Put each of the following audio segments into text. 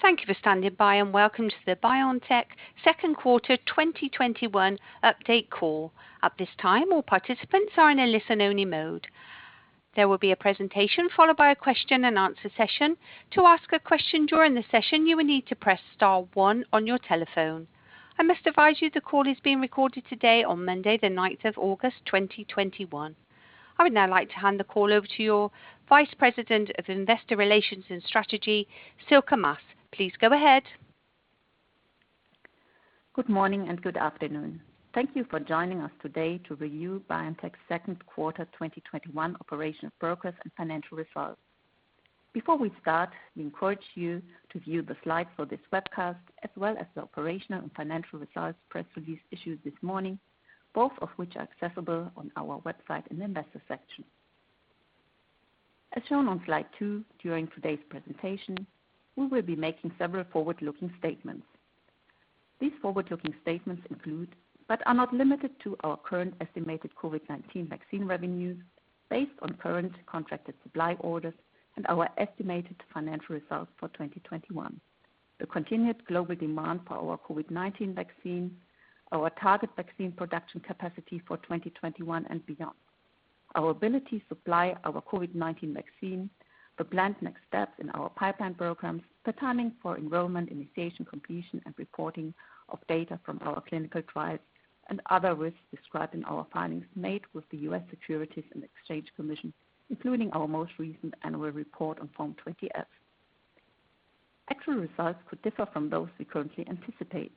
Thank you for standing by, and welcome to the BioNTech second quarter 2021 update call. At this time, all participants are in a listen-only mode. There will be a presentation followed by a question and answer session. To ask a question during the session, you will need to press star one on your telephone. I must advise you the call is being recorded today on Monday the 9th of August 2021. I would now like to hand the call over to your Vice President of Investor Relations and Strategy, Sylke Maas. Please go ahead. Good morning and good afternoon. Thank you for joining us today to review BioNTech's second quarter 2021 operational progress and financial results. Before we start, we encourage you to view the slides for this webcast, as well as the operational and financial results press release issued this morning, both of which are accessible on our website in the investor section. As shown on slide two, during today's presentation, we will be making several forward-looking statements. These forward-looking statements include, but are not limited to, our current estimated COVID-19 vaccine revenues based on current contracted supply orders and our estimated financial results for 2021, the continued global demand for our COVID-19 vaccine, our target vaccine production capacity for 2021 and beyond, our ability to supply our COVID-19 vaccine, the planned next steps in our pipeline programs, the timing for enrollment, initiation, completion, and reporting of data from our clinical trials and other risks described in our filings made with the U.S. Securities and Exchange Commission, including our most recent annual report on Form 20-F. Actual results could differ from those we currently anticipate.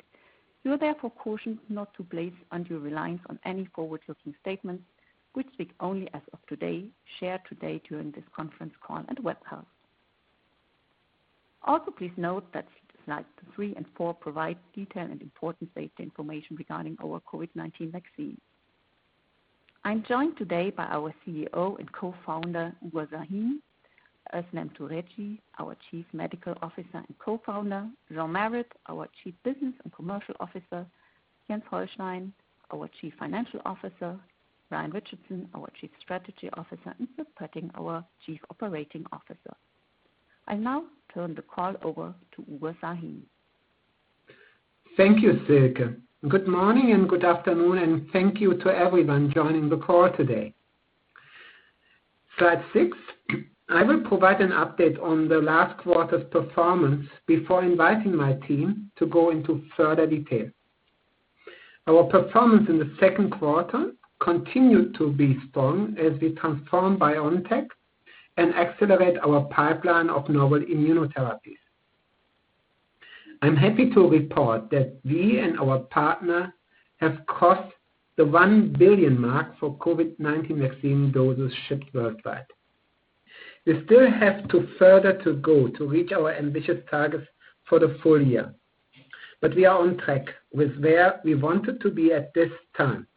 You are therefore cautioned not to place undue reliance on any forward-looking statements, which speak only as of today, shared today during this conference call and webcast. Please note that slides three and four provide detailed and important safety information regarding our COVID-19 vaccine. I am joined today by our CEO and Co-Founder, Ugur Sahin, Özlem Türeci, our Chief Medical Officer and Co-Founder, Sean Marett, our Chief Business and Commercial Officer, Jens Holstein, our Chief Financial Officer, Ryan Richardson, our Chief Strategy Officer, and Sierk Pötting, our Chief Operating Officer. I now turn the call over to Ugur Sahin. Thank you, Sylke. Good morning and good afternoon, and thank you to everyone joining the call today. Slide six. I will provide an update on the last quarter's performance before inviting my team to go into further detail. Our performance in the second quarter continued to be strong as we transform BioNTech and accelerate our pipeline of novel immunotherapies. I am happy to report that we and our partner have crossed the 1 billion mark for COVID-19 vaccine doses shipped worldwide. We still have to further to go to reach our ambitious targets for the full year. We are on track with where we wanted to be at this time.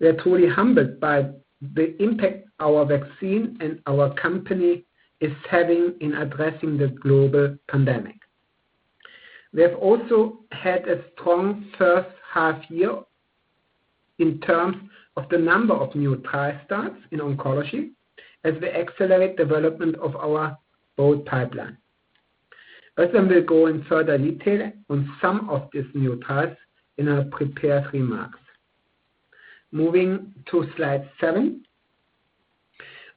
We are truly humbled by the impact our vaccine and our company is having in addressing the global pandemic. We have also had a strong first half year in terms of the number of new trial starts in oncology as we accelerate development of our bold pipeline. Özlem will go in further detail on some of these new trials in her prepared remarks. Moving to slide seven.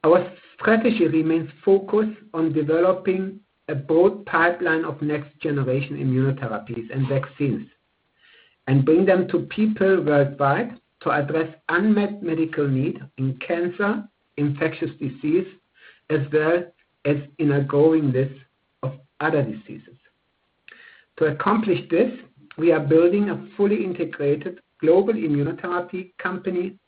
Our strategy remains focused on developing a bold pipeline of next-generation immunotherapies and vaccines and bring them to people worldwide to address unmet medical need in cancer, infectious disease, as well as in a growing list of other diseases. To accomplish this, we are building a fully integrated global immunotherapy company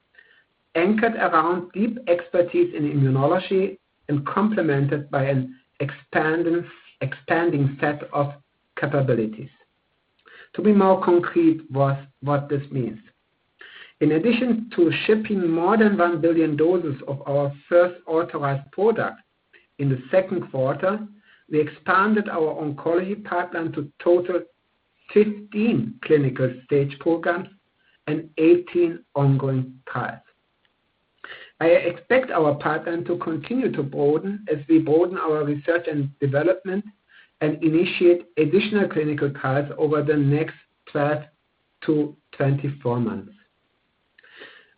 anchored around deep expertise in immunology and complemented by an expanding set of capabilities. To be more concrete what this means. In addition to shipping more than 1 billion doses of our first authorized product in the 2Q, we expanded our oncology pipeline to total 15 clinical stage programs and 18 ongoing trials. I expect our pipeline to continue to broaden as we broaden our research and development and initiate additional clinical trials over the next 12-24 months.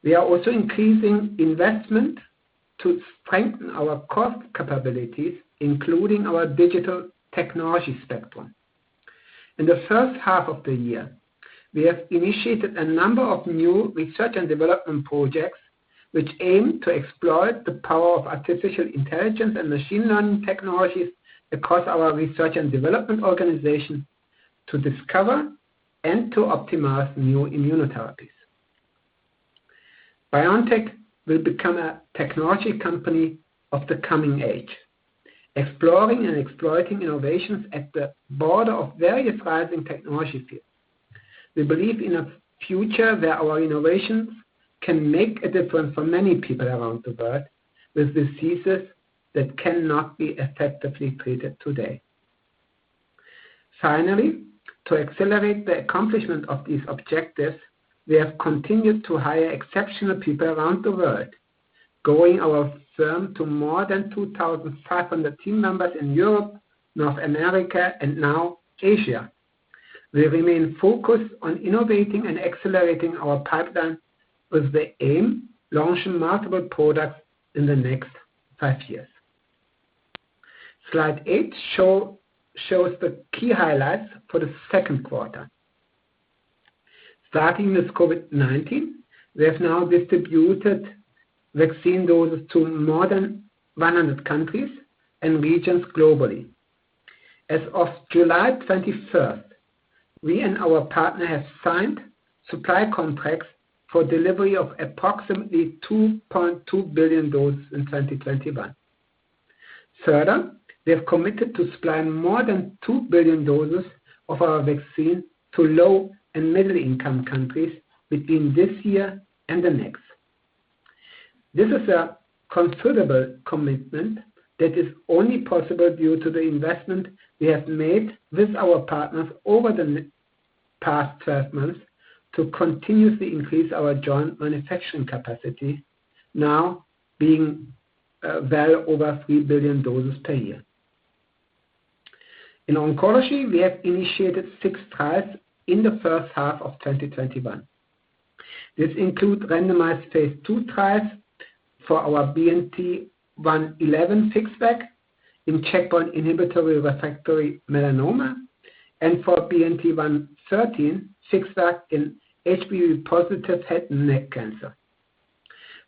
We are also increasing investment to strengthen our core capabilities, including our digital technology spectrum. In the first half of the year, we have initiated a number of new research and development projects, which aim to exploit the power of artificial intelligence and machine learning technologies across our research and development organization to discover and to optimize new immunotherapies. BioNTech will become a technology company of the coming age, exploring and exploiting innovations at the border of various rising technology fields. We believe in a future where our innovations can make a difference for many people around the world with diseases that cannot be effectively treated today. Finally, to accelerate the accomplishment of these objectives, we have continued to hire exceptional people around the world, growing our firm to more than 2,500 team members in Europe, North America, and now Asia. We remain focused on innovating and accelerating our pipeline with the aim to launch multiple products in the next five years. Slide eight shows the key highlights for the second quarter. Starting with COVID-19, we have now distributed vaccine doses to more than 100 countries and regions globally. As of July 21st, we and our partner have signed supply contracts for delivery of approximately 2.2 billion doses in 2021. Further, we have committed to supplying more than 2 billion doses of our vaccine to low and middle income countries between this year and the next. This is a considerable commitment that is only possible due to the investment we have made with our partners over the past 12 months to continuously increase our joint manufacturing capacity, now being well over 3 billion doses per year. In oncology, we have initiated six trials in the first half of 2021. This includes randomized phase II trials for our BNT111 FixVac in checkpoint inhibitory refractory melanoma, and for BNT113 FixVac in HPV-positive head and neck cancer.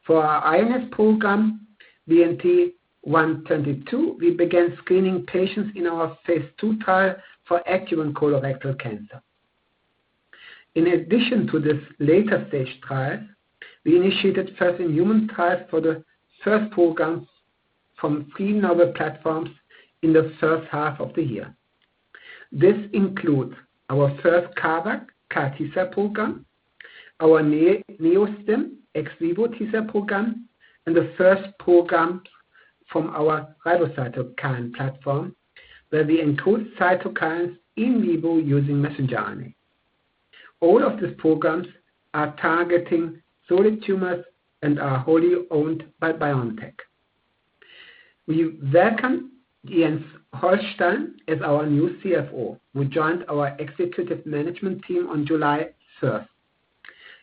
For our iNeST program, BNT122, we began screening patients in our phase II trial for colorectal cancer. In addition to this later stage trial, we initiated phase I trials for the first programs from three novel platforms in the first half of the year. This includes our first CARVac, CAR T cell program, our NEO-STIM ex vivo T cell program, and the first program from our RiboCytokine platform, where we include cytokines in vivo using mRNA. All of these programs are targeting solid tumors and are wholly owned by BioNTech. We welcome Jens Holstein as our new CFO, who joined our executive management team on July 1st.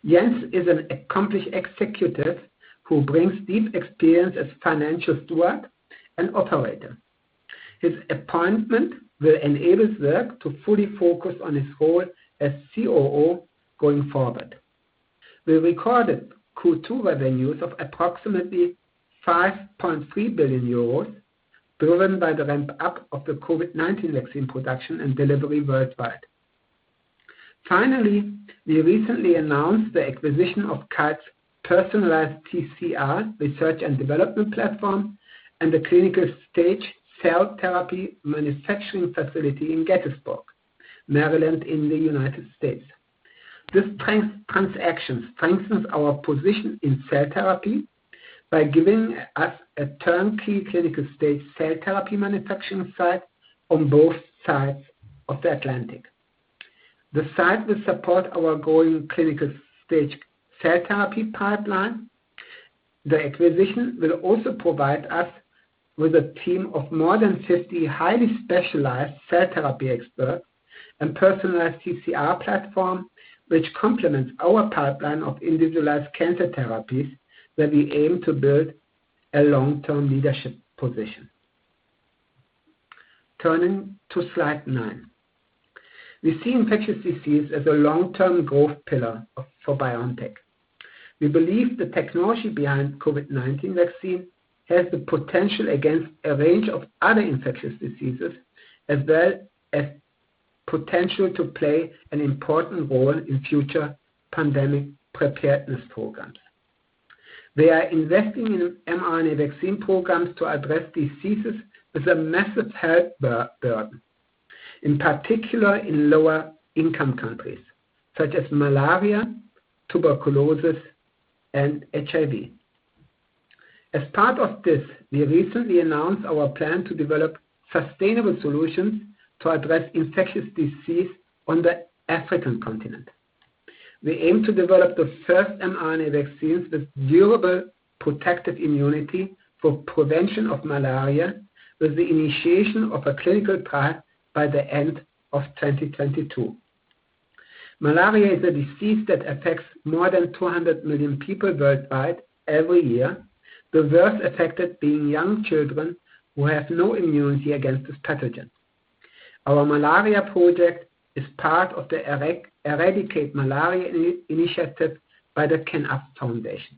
Jens is an accomplished executive who brings deep experience as financial steward and operator. His appointment will enable Sierk Pötting to fully focus on his role as COO going forward. We recorded Q2 revenues of approximately 5.3 billion euros, driven by the ramp-up of the COVID-19 vaccine production and delivery worldwide. Finally, we recently announced the acquisition of Kite's personalized TCR research and development platform and the clinical stage cell therapy manufacturing facility in Gaithersburg, Maryland in the U.S. This transaction strengthens our position in cell therapy by giving us a turnkey clinical stage cell therapy manufacturing site on both sides of the Atlantic. The site will support our growing clinical stage cell therapy pipeline. The acquisition will also provide us with a team of more than 50 highly specialized cell therapy experts and personalized TCR platform, which complements our pipeline of individualized cancer therapies where we aim to build a long-term leadership position. Turning to slide nine. We see infectious disease as a long-term growth pillar for BioNTech. We believe the technology behind COVID-19 vaccine has the potential against a range of other infectious diseases, as well as potential to play an important role in future pandemic preparedness programs. We are investing in mRNA vaccine programs to address diseases with a massive health burden, in particular in lower income countries, such as malaria, tuberculosis and HIV. As part of this, we recently announced our plan to develop sustainable solutions to address infectious disease on the African continent. We aim to develop the first mRNA vaccines with durable protective immunity for prevention of malaria with the initiation of a clinical trial by the end of 2022. Malaria is a disease that affects more than 200 million people worldwide every year, the worst affected being young children who have no immunity against this pathogen. Our malaria project is part of the EradicateMalaria initiative by the Bill & Melinda Gates Foundation.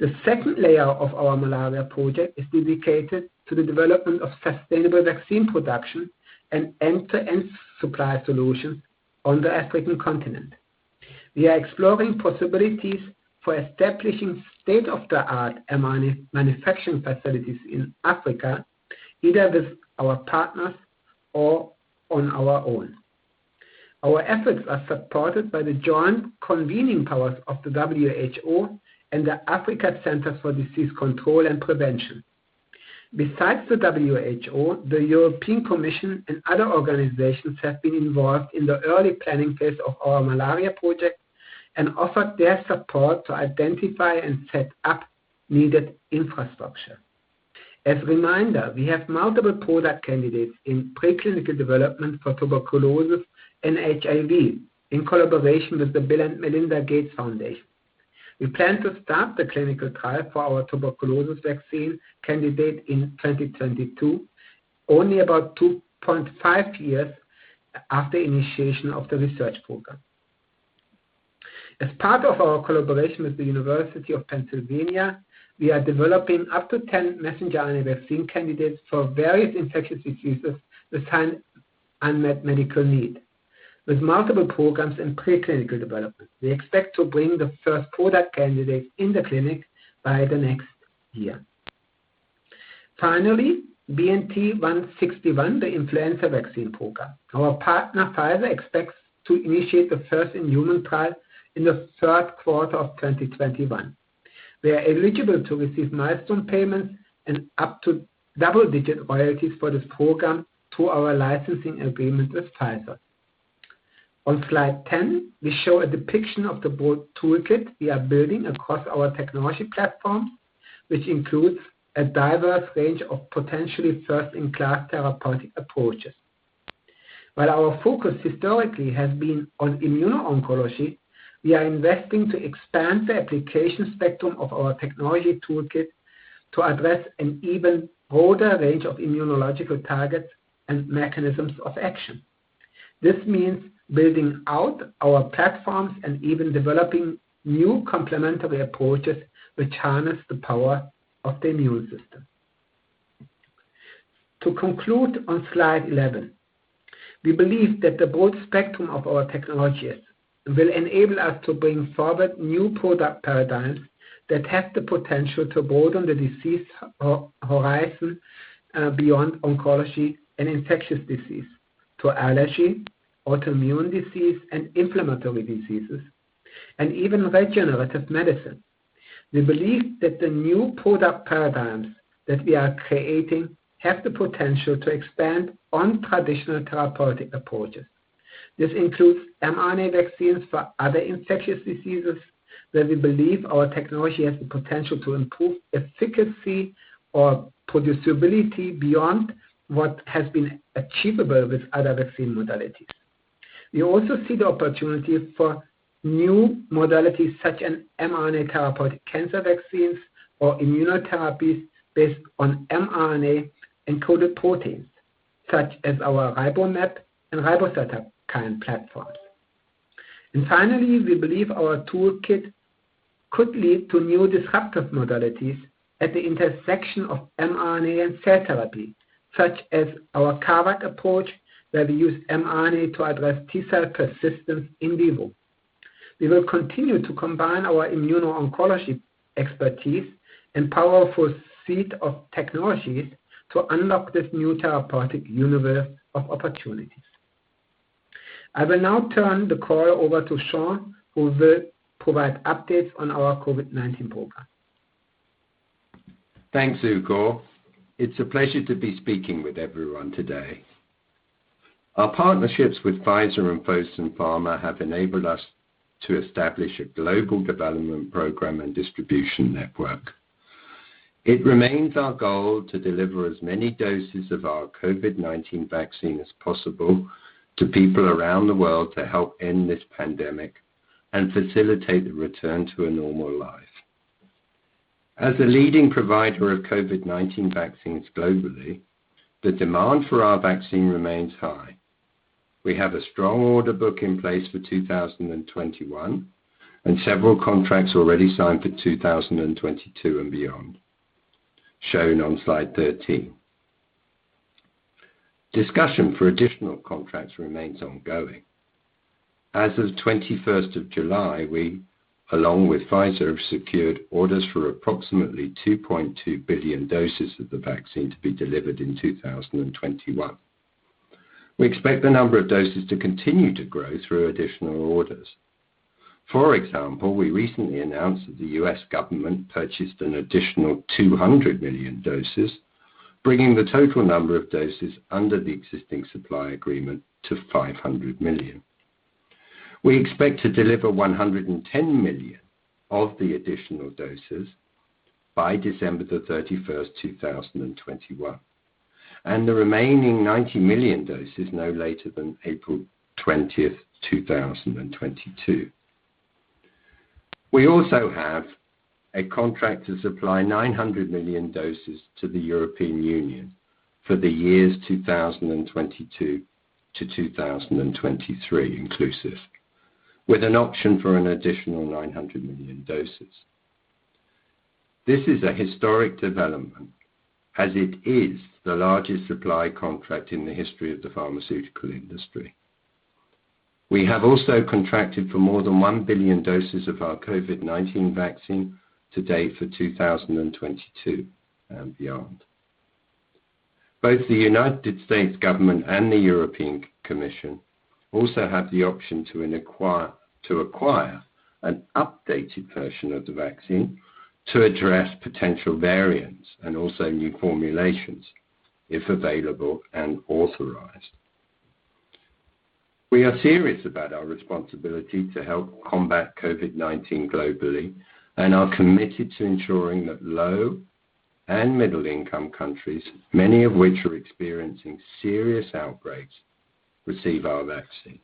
The second layer of our malaria project is dedicated to the development of sustainable vaccine production and end-to-end supply solutions on the African continent. We are exploring possibilities for establishing state-of-the-art mRNA manufacturing facilities in Africa, either with our partners or on our own. Our efforts are supported by the joint convening powers of the WHO and the Africa Centres for Disease Control and Prevention. Besides the WHO, the European Commission and other organizations have been involved in the early planning phase of our malaria project and offered their support to identify and set up needed infrastructure. As a reminder, we have multiple product candidates in preclinical development for tuberculosis and HIV in collaboration with the Bill & Melinda Gates Foundation. We plan to start the clinical trial for our tuberculosis vaccine candidate in 2022, only about 2.5 years after initiation of the research program. As part of our collaboration with the University of Pennsylvania, we are developing up to 10 messenger RNA vaccine candidates for various infectious diseases with unmet medical need. With multiple programs in preclinical development, we expect to bring the first product candidate in the clinic by the next year. BNT161, the influenza vaccine program. Our partner, Pfizer, expects to initiate the first human trial in the third quarter of 2021. We are eligible to receive milestone payments and up to double-digit royalties for this program through our licensing agreement with Pfizer. On slide 10, we show a depiction of the broad toolkit we are building across our technology platform, which includes a diverse range of potentially first-in-class therapeutic approaches. While our focus historically has been on immuno-oncology, we are investing to expand the application spectrum of our technology toolkit to address an even broader range of immunological targets and mechanisms of action. This means building out our platforms and even developing new complementary approaches which harness the power of the immune system. To conclude on slide 11, we believe that the broad spectrum of our technologies will enable us to bring forward new product paradigms that have the potential to broaden the disease horizon beyond oncology and infectious disease, to allergy, autoimmune disease, and inflammatory diseases, and even regenerative medicine. We believe that the new product paradigms that we are creating have the potential to expand on traditional therapeutic approaches. This includes mRNA vaccines for other infectious diseases, where we believe our technology has the potential to improve efficacy or producibility beyond what has been achievable with other vaccine modalities. We also see the opportunity for new modalities such as mRNA therapeutic cancer vaccines or immunotherapies based on mRNA-encoded proteins, such as our RiboMab and RiboCytokine platforms. Finally, we believe our toolkit could lead to new disruptive modalities at the intersection of mRNA and cell therapy, such as our CARVac approach, where we use mRNA to address T-cell persistence in vivo. We will continue to combine our immuno-oncology expertise and powerful suite of technologies to unlock this new therapeutic universe of opportunities. I will now turn the call over to Sean, who will provide updates on our COVID-19 program. Thanks, Ugur. It's a pleasure to be speaking with everyone today. Our partnerships with Pfizer and Fosun Pharma have enabled us to establish a global development program and distribution network. It remains our goal to deliver as many doses of our COVID-19 vaccine as possible to people around the world to help end this pandemic and facilitate the return to a normal life. As a leading provider of COVID-19 vaccines globally, the demand for our vaccine remains high. We have a strong order book in place for 2021 and several contracts already signed for 2022 and beyond, shown on slide 13. Discussion for additional contracts remains ongoing. As of the 21st of July, we, along with Pfizer, have secured orders for approximately 2.2 billion doses of the vaccine to be delivered in 2021. We expect the number of doses to continue to grow through additional orders. For example, we recently announced that the U.S. government purchased an additional 200 million doses, bringing the total number of doses under the existing supply agreement to 500 million. We expect to deliver 110 million of the additional doses by December 31st, 2021, and the remaining 90 million doses no later than April 20th, 2022. We also have a contract to supply 900 million doses to the European Union for the years 2022 to 2023 inclusive, with an option for an additional 900 million doses. This is a historic development, as it is the largest supply contract in the history of the pharmaceutical industry. We have also contracted for more than 1 billion doses of our COVID-19 vaccine to date for 2022 and beyond. Both the U.S. government and the European Commission also have the option to acquire an updated version of the vaccine to address potential variants and also new formulations, if available and authorized. We are serious about our responsibility to help combat COVID-19 globally and are committed to ensuring that low and middle-income countries, many of which are experiencing serious outbreaks, receive our vaccine.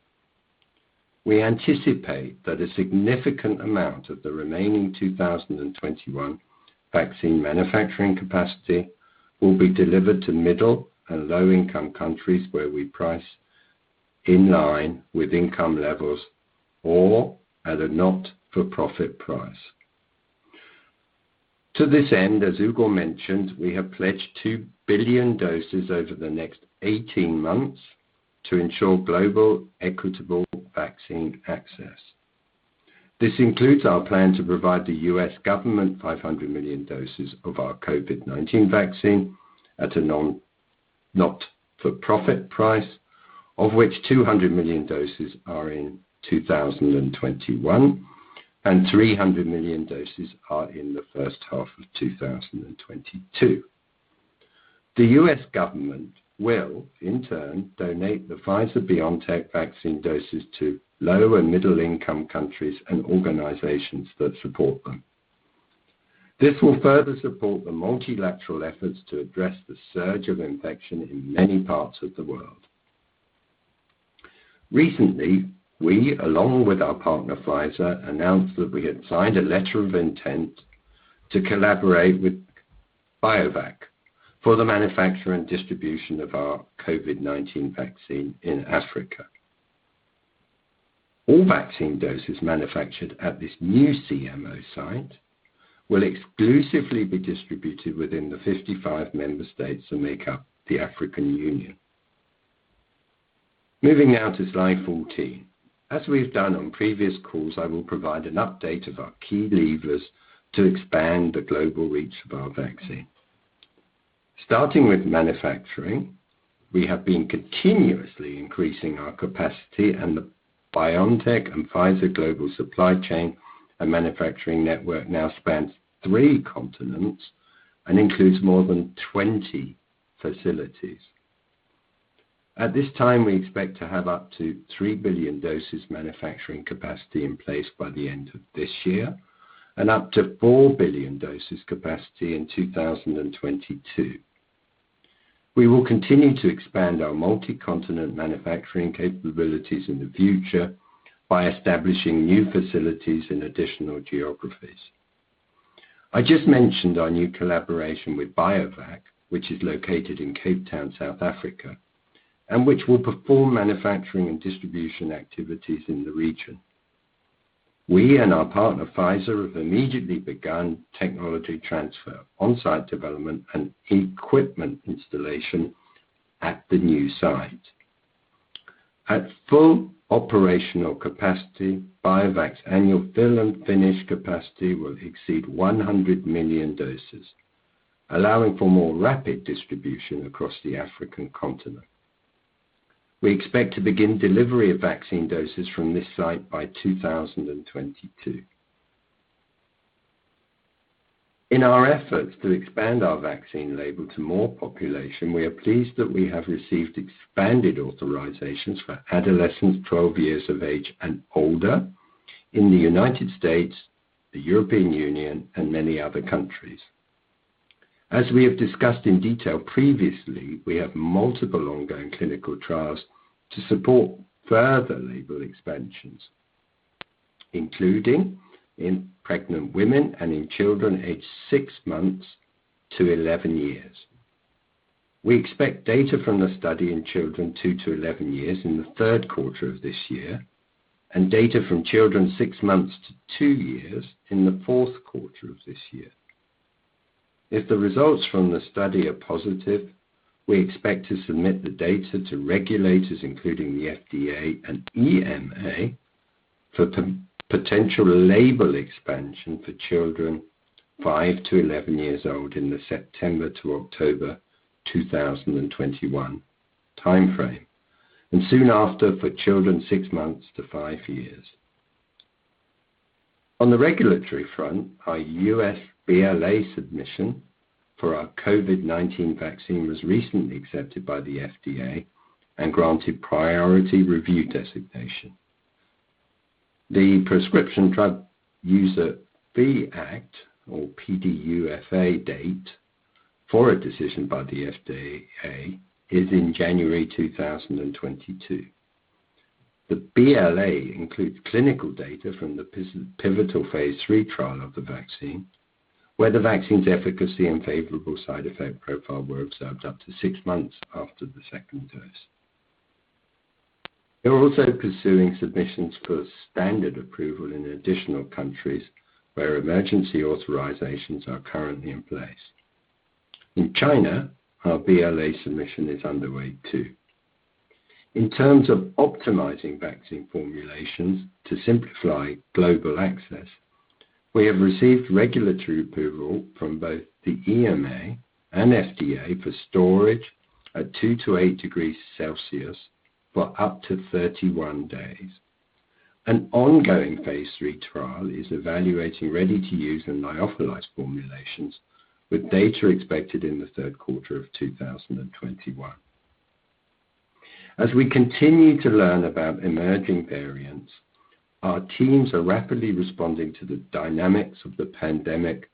We anticipate that a significant amount of the remaining 2021 vaccine manufacturing capacity will be delivered to middle and low-income countries, where we price in line with income levels or at a not-for-profit price. To this end, as Ugur mentioned, we have pledged 2 billion doses over the next 18 months to ensure global equitable vaccine access. This includes our plan to provide the U.S. government 500 million doses of our COVID-19 vaccine at a not-for-profit price, of which 200 million doses are in 2021, and 300 million doses are in the first half of 2022. The U.S. government will, in turn, donate the Pfizer BioNTech vaccine doses to low and middle-income countries and organizations that support them. This will further support the multilateral efforts to address the surge of infection in many parts of the world. Recently, we, along with our partner Pfizer, announced that we had signed a letter of intent to collaborate with Biovac for the manufacture and distribution of our COVID-19 vaccine in Africa. All vaccine doses manufactured at this new CMO site will exclusively be distributed within the 55 member states that make up the African Union. Moving now to slide 14. As we've done on previous calls, I will provide an update of our key levers to expand the global reach of our vaccine. Starting with manufacturing, we have been continuously increasing our capacity. The BioNTech and Pfizer global supply chain and manufacturing network now spans three continents and includes more than 20 facilities. At this time, we expect to have up to 3 billion doses manufacturing capacity in place by the end of this year and up to 4 billion doses capacity in 2022. We will continue to expand our multi-continent manufacturing capabilities in the future by establishing new facilities in additional geographies. I just mentioned our new collaboration with Biovac, which is located in Cape Town, South Africa, and which will perform manufacturing and distribution activities in the region. We and our partner, Pfizer, have immediately begun technology transfer, on-site development, and equipment installation at the new site. At full operational capacity, Biovac's annual fill and finish capacity will exceed 100 million doses, allowing for more rapid distribution across the African continent. We expect to begin delivery of vaccine doses from this site by 2022. In our efforts to expand our vaccine label to more population, we are pleased that we have received expanded authorizations for adolescents 12 years of age and older in the United States, the European Union, and many other countries. As we have discussed in detail previously, we have multiple ongoing clinical trials to support further label expansions, including in pregnant women and in children aged six months to 11 years. We expect data from the study in children two-11 years in the third quarter of this year, and data from children six months to two years in the fourth quarter of this year. If the results from the study are positive, we expect to submit the data to regulators, including the FDA and EMA, for potential label expansion for children five-11 years old in the September to October 2021 timeframe, and soon after, for children six months to five years. On the regulatory front, our U.S. BLA submission for our COVID-19 vaccine was recently accepted by the FDA and granted priority review designation. The Prescription Drug User Fee Act, or PDUFA, date for a decision by the FDA is in January 2022. The BLA includes clinical data from the pivotal phase III trial of the vaccine, where the vaccine's efficacy and favorable side effect profile were observed up to six months after the second dose. We're also pursuing submissions for standard approval in additional countries where emergency authorizations are currently in place. In China, our BLA submission is underway too. In terms of optimizing vaccine formulations to simplify global access, we have received regulatory approval from both the EMA and FDA for storage at two to eight degrees Celsius for up to 31 days. An ongoing phase III trial is evaluating ready-to-use and lyophilized formulations, with data expected in the third quarter of 2021. As we continue to learn about emerging variants, our teams are rapidly responding to the dynamics of the pandemic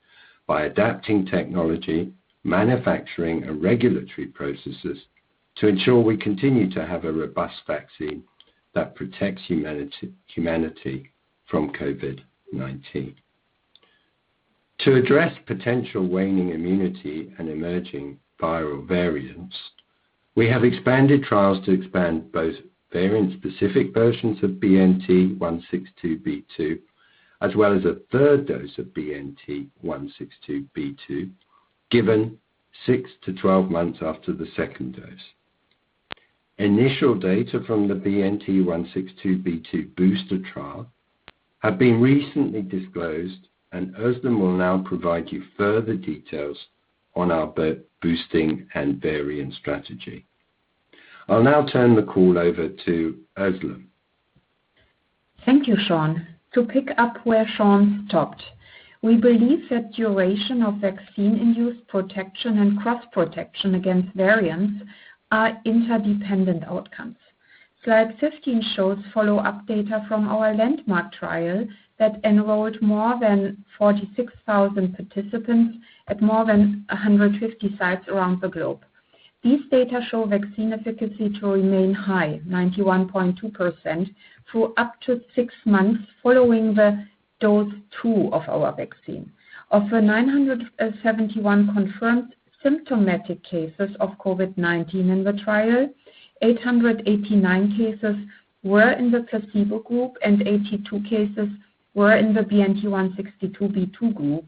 by adapting technology, manufacturing, and regulatory processes to ensure we continue to have a robust vaccine that protects humanity from COVID-19. To address potential waning immunity and emerging viral variants, we have expanded trials to expand both variant-specific versions of BNT162b2, as well as a third dose of BNT162b2 given six-12 months after the second dose. Initial data from the BNT162b2 booster trial have been recently disclosed. Özlem will now provide you further details on our boosting and variant strategy. I'll now turn the call over to Özlem. Thank you, Sean. To pick up where Sean stopped, we believe that duration of vaccine-induced protection and cross-protection against variants are interdependent outcomes. Slide 15 shows follow-up data from our landmark trial that enrolled more than 46,000 participants at more than 150 sites around the globe. These data show vaccine efficacy to remain high, 91.2%, for up to six months following the dose two of our vaccine. Of the 971 confirmed symptomatic cases of COVID-19 in the trial, 889 cases were in the placebo group and 82 cases were in the BNT162b2 group.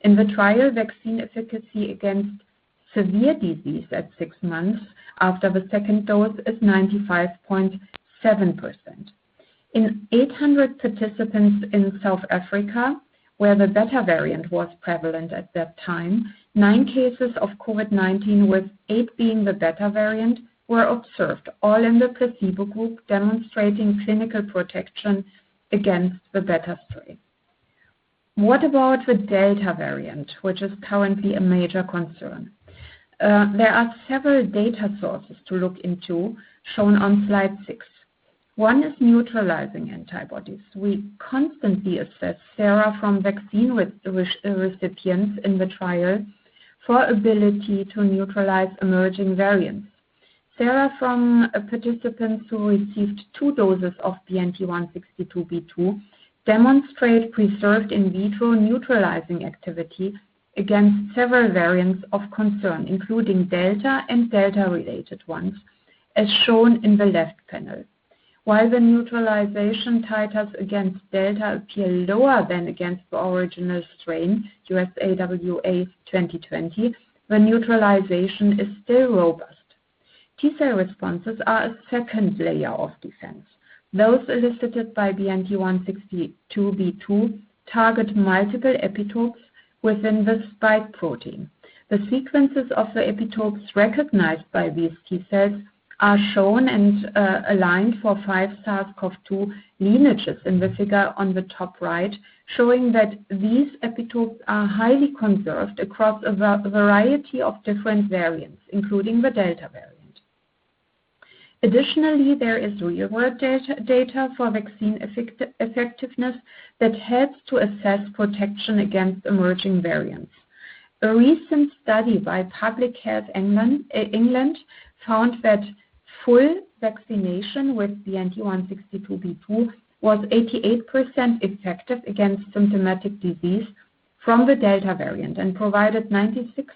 In the trial, vaccine efficacy against severe disease at 6 months after the second dose is 95.7%. In 800 participants in South Africa, where the Beta variant was prevalent at that time, nine cases of COVID-19, with 8 being the Beta variant, were observed, all in the placebo group, demonstrating clinical protection against the Beta strain. What about the Delta variant, which is currently a major concern? There are several data sources to look into, shown on slide six. One is neutralizing antibodies. We constantly assess sera from vaccine recipients in the trial for ability to neutralize emerging variants. Sera from participants who received two doses of BNT162b2 demonstrate preserved in vitro neutralizing activity against several variants of concern, including Delta and Delta-related ones, as shown in the left panel. While the neutralization titers against Delta appear lower than against the original strain, USA-WA1/2020, the neutralization is still robust. T-cell responses are a second layer of defense. Those elicited by BNT162b2 target multiple epitopes within the spike protein. The sequences of the epitopes recognized by these T-cells are shown and aligned for five SARS-CoV-2 lineages in the figure on the top right, showing that these epitopes are highly conserved across a variety of different variants, including the Delta variant. Additionally, there is real-world data for vaccine effectiveness that helps to assess protection against emerging variants. A recent study by Public Health England found that full vaccination with BNT162b2 was 88% effective against symptomatic disease from the Delta variant and provided 96%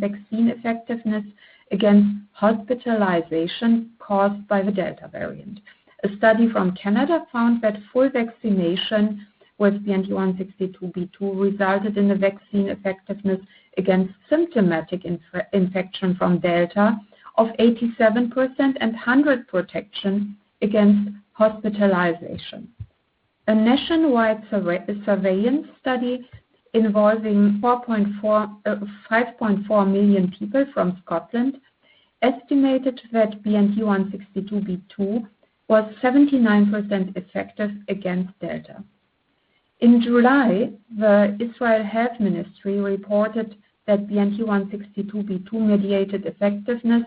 vaccine effectiveness against hospitalization caused by the Delta variant. A study from Canada found that full vaccination with BNT162b2 resulted in the vaccine effectiveness against symptomatic infection from Delta of 87% and 100 protection against hospitalization. A nationwide surveillance study involving 5.4 million people from Scotland estimated that BNT162b2 was 79% effective against Delta. In July, the Israel Ministry of Health reported that BNT162b2 mediated effectiveness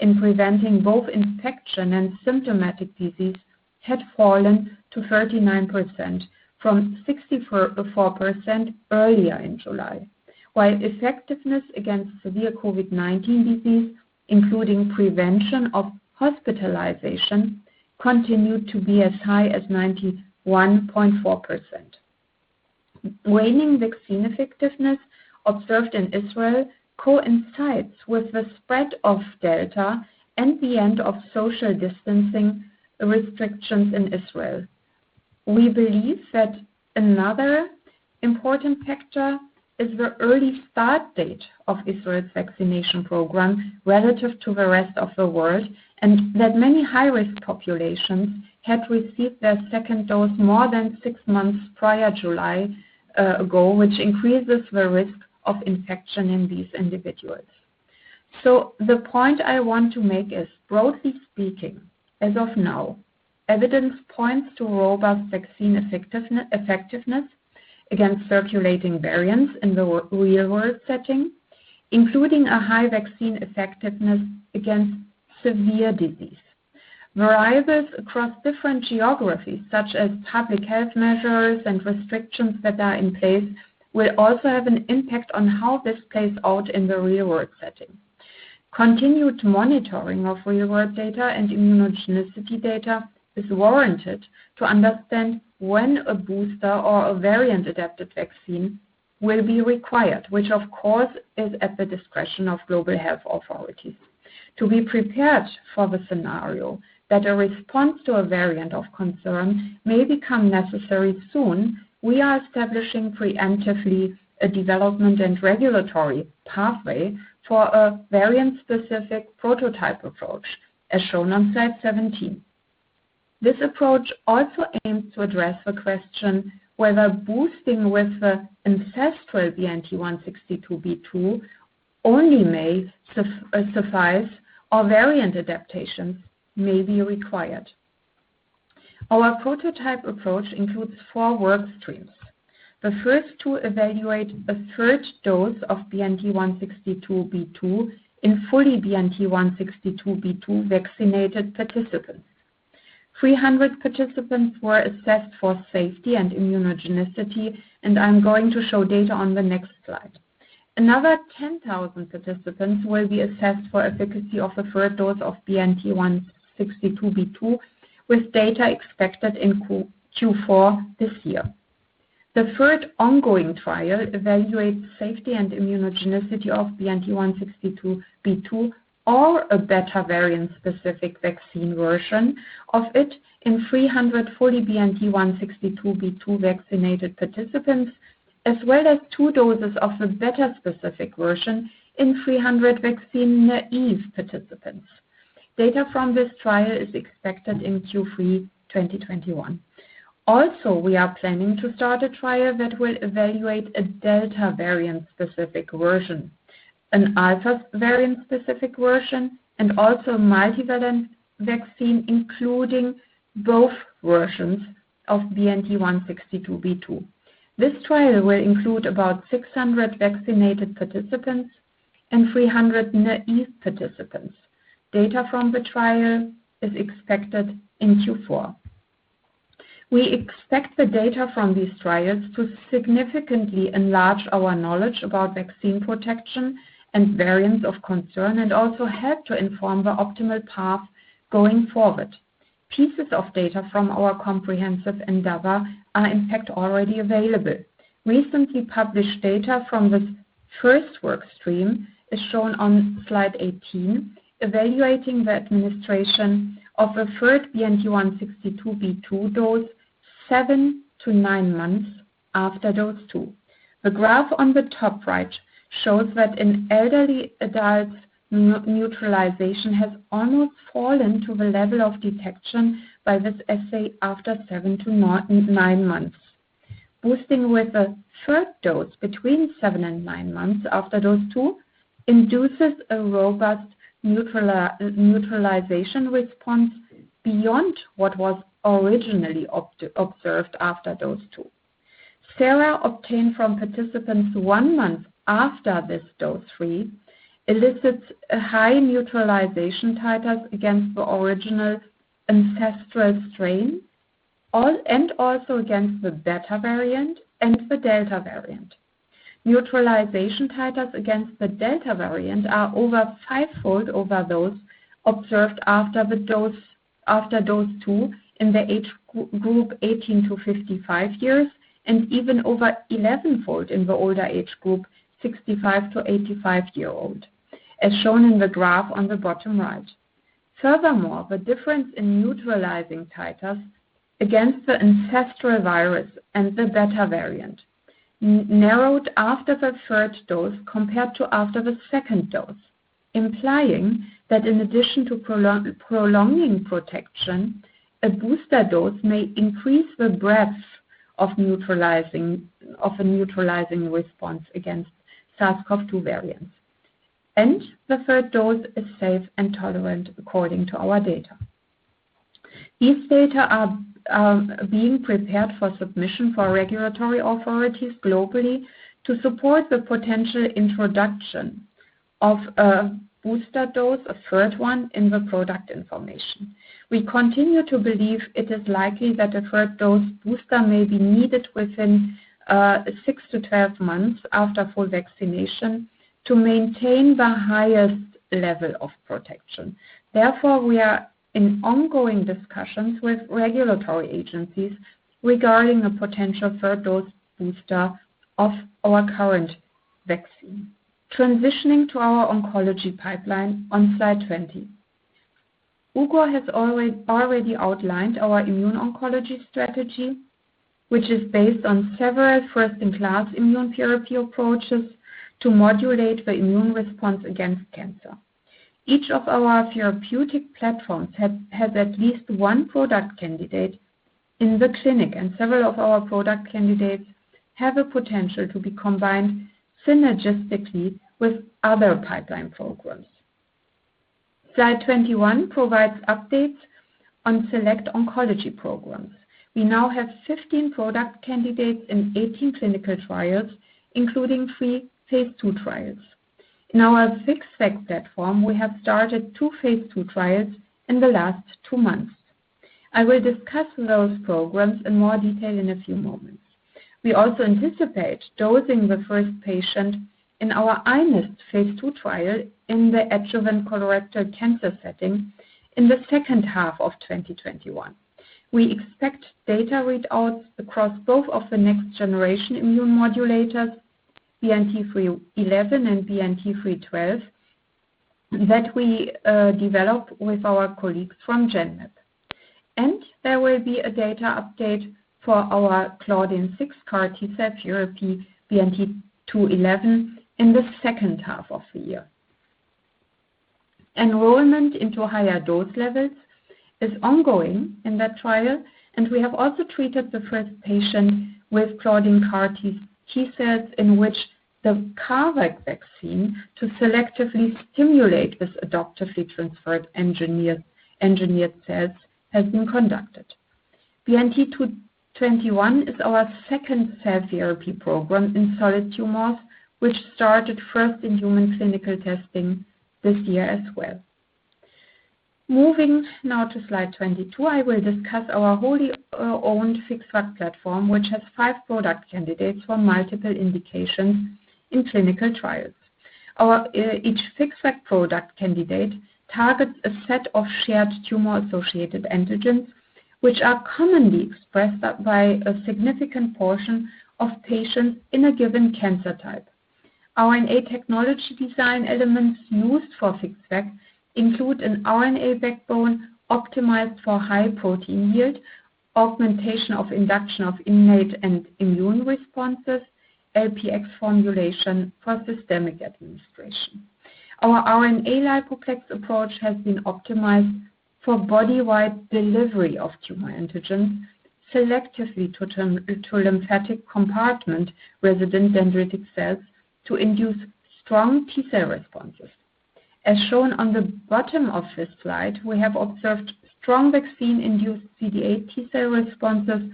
in preventing both infection and symptomatic disease had fallen to 39% from 64% earlier in July. While effectiveness against severe COVID-19 disease, including prevention of hospitalization, continued to be as high as 91.4%. Waning vaccine effectiveness observed in Israel coincides with the spread of Delta and the end of social distancing restrictions in Israel. We believe that another important factor is the early start date of Israel's vaccination program relative to the rest of the world, and that many high-risk populations had received their second dose more than six months prior July ago, which increases the risk of infection in these individuals. The point I want to make is, broadly speaking, as of now, evidence points to robust vaccine effectiveness against circulating variants in the real-world setting, including a high vaccine effectiveness against severe disease. Varieties across different geographies, such as public health measures and restrictions that are in place, will also have an impact on how this plays out in the real-world setting. Continued monitoring of real-world data and immunogenicity data is warranted to understand when a booster or a variant-adapted vaccine will be required, which, of course, is at the discretion of global health authorities. To be prepared for the scenario that a response to a variant of concern may become necessary soon, we are establishing preemptively a development and regulatory pathway for a variant-specific prototype approach, as shown on slide 17. This approach also aims to address the question whether boosting with the ancestral BNT162b2 only may suffice or variant adaptation may be required. Our prototype approach includes four work streams. The first to evaluate a third dose of BNT162b2 in fully BNT162b2-vaccinated participants. 300 participants were assessed for safety and immunogenicity. I'm going to show data on the next slide. Another 10,000 participants will be assessed for efficacy of a third dose of BNT162b2, with data expected in Q4 this year. The third ongoing trial evaluates safety and immunogenicity of BNT162b2 or a Beta variant-specific vaccine version of it in 340 BNT162b2 vaccinated participants, as well as two doses of a Beta specific version in 300 vaccine-naive participants. Data from this trial is expected in Q3 2021. We are planning to start a trial that will evaluate a Delta variant-specific version, an Alpha variant-specific version, and also multivalent vaccine including both versions of BNT162b2. This trial will include about 600 vaccinated participants and 300 naive participants. Data from the trial is expected in Q4. We expect the data from these trials to significantly enlarge our knowledge about vaccine protection and variants of concern, and also help to inform the optimal path going forward. Pieces of data from our comprehensive endeavor are in fact already available. Recently published data from this first work stream is shown on slide 18, evaluating the administration of a third BNT162b2 dose seven to nine months after dose two. The graph on the top right shows that in elderly adults, neutralization has almost fallen to the level of detection by this assay after seven to nine months. Boosting with a third dose between seven and nine months after dose two induces a robust neutralization response beyond what was originally observed after dose two Sera obtained from participants one month after this dose three elicits a high neutralization titers against the original ancestral strain and also against the Beta variant and the Delta variant. Neutralization titers against the Delta variant are over five-fold over those observed after dose two in the age group 18-55 years, and even over 11-fold in the older age group, 65-85-year-old, as shown in the graph on the bottom right. Furthermore, the difference in neutralizing titers against the ancestral virus and the Beta variant narrowed after the third dose compared to after the second dose, implying that in addition to prolonging protection, a booster dose may increase the breadth of a neutralizing response against SARS-CoV-2 variants. The third dose is safe and tolerant according to our data. These data are being prepared for submission for regulatory authorities globally to support the potential introduction of a booster dose, a third one, in the product information. We continue to believe it is likely that a third dose booster may be needed within six-12 months after full vaccination to maintain the highest level of protection. Therefore, we are in ongoing discussions with regulatory agencies regarding a potential third-dose booster of our current vaccine. Transitioning to our oncology pipeline on slide 20. Ugur Sahin has already outlined our immuno-oncology strategy, which is based on several first-in-class immunotherapy approaches to modulate the immune response against cancer. Each of our therapeutic platforms has at least one product candidate in the clinic, and several of our product candidates have a potential to be combined synergistically with other pipeline programs. Slide 21 provides updates on select oncology programs. We now have 15 product candidates in 18 clinical trials, including three phase II trials. In our FixVac platform, we have started two phase II trials in the last two months. I will discuss those programs in more detail in a few moments. We also anticipate dosing the first patient in our iNeST phase II trial in the adjuvant colorectal cancer setting in the second half of 2021. We expect data readouts across both of the next generation immune modulators, BNT311 and BNT312, that we develop with our colleagues from Genmab. There will be a data update for our Claudin-6 CAR-T cell therapy, BNT211, in the second half of the year. Enrollment into higher dose levels is ongoing in that trial. We have also treated the first patient with claudin CAR T cells in which the CARVac vaccine to selectively stimulate this adoptively transferred engineered cells has been conducted. BNT221 is our second cell therapy program in solid tumors, which started first in human clinical testing this year as well. Moving now to slide 22, I will discuss our wholly-owned FixVac platform, which has five product candidates for multiple indications in clinical trials. Each FixVac product candidate targets a set of shared tumor-associated antigens, which are commonly expressed by a significant portion of patients in a given cancer type. RNA technology design elements used for FixVac include an RNA backbone optimized for high protein yield, augmentation of induction of innate and immune responses, LPX formulation for systemic administration. Our RNA lipoplex approach has been optimized for body-wide delivery of tumor antigens selectively to lymphatic compartment resident dendritic cells to induce strong T cell responses. As shown on the bottom of this slide, we have observed strong vaccine-induced CD8 T cell responses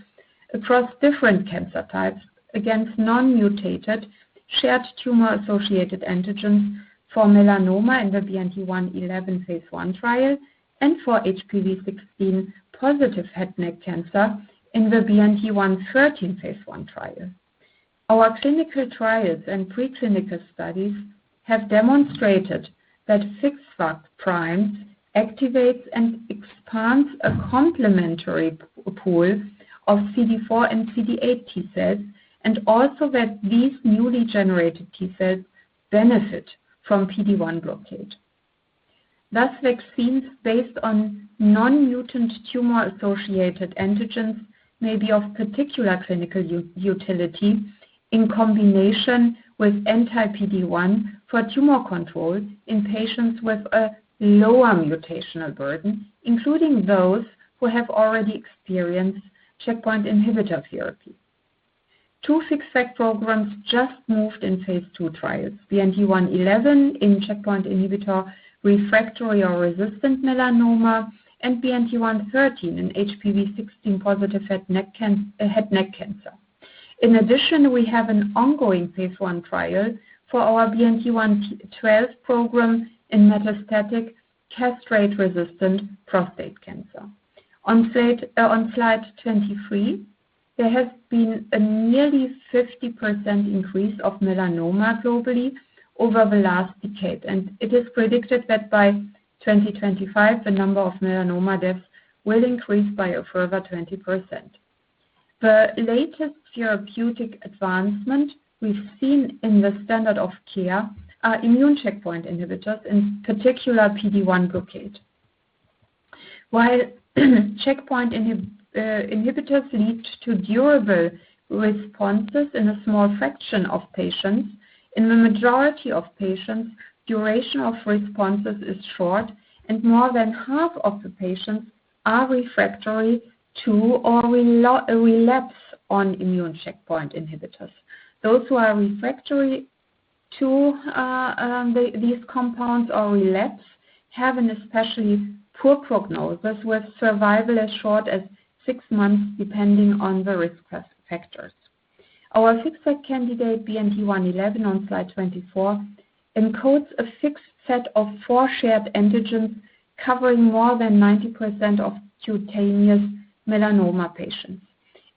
across different cancer types against non-mutated shared tumor-associated antigens for melanoma in the BNT111 phase I trial and for HPV16-positive head neck cancer in the BNT113 phase I trial. Our clinical trials and preclinical studies have demonstrated that FixVac prime activates and expands a complementary pool of CD4 and CD8 T cells, and also that these newly generated T cells benefit from PD-1 blockade. Thus, vaccines based on non-mutant tumor-associated antigens may be of particular clinical utility in combination with anti-PD-1 for tumor control in patients with a lower mutational burden, including those who have already experienced checkpoint inhibitor therapy. Two FixVac programs just moved in phase II trials, BNT111 in checkpoint inhibitor refractory or resistant melanoma, and BNT113 in HPV16-positive head neck cancer. In addition, we have an ongoing phase I trial for our BNT112 program in metastatic castrate-resistant prostate cancer. On slide 23, there has been a nearly 50% increase of melanoma globally over the last decade. It is predicted that by 2025, the number of melanoma deaths will increase by a further 20%. The latest therapeutic advancement we've seen in the standard of care are immune checkpoint inhibitors, in particular PD-1 blockade. While checkpoint inhibitors lead to durable responses in a small fraction of patients, in the majority of patients, duration of responses is short, and more than half of the patients are refractory to or relapse on immune checkpoint inhibitors. Those who are refractory to these compounds or relapse have an especially poor prognosis, with survival as short as six months, depending on the risk factors. Our FixVac candidate, BNT111 on slide 24, encodes a fixed set of four shared antigens covering more than 90% of cutaneous melanoma patients.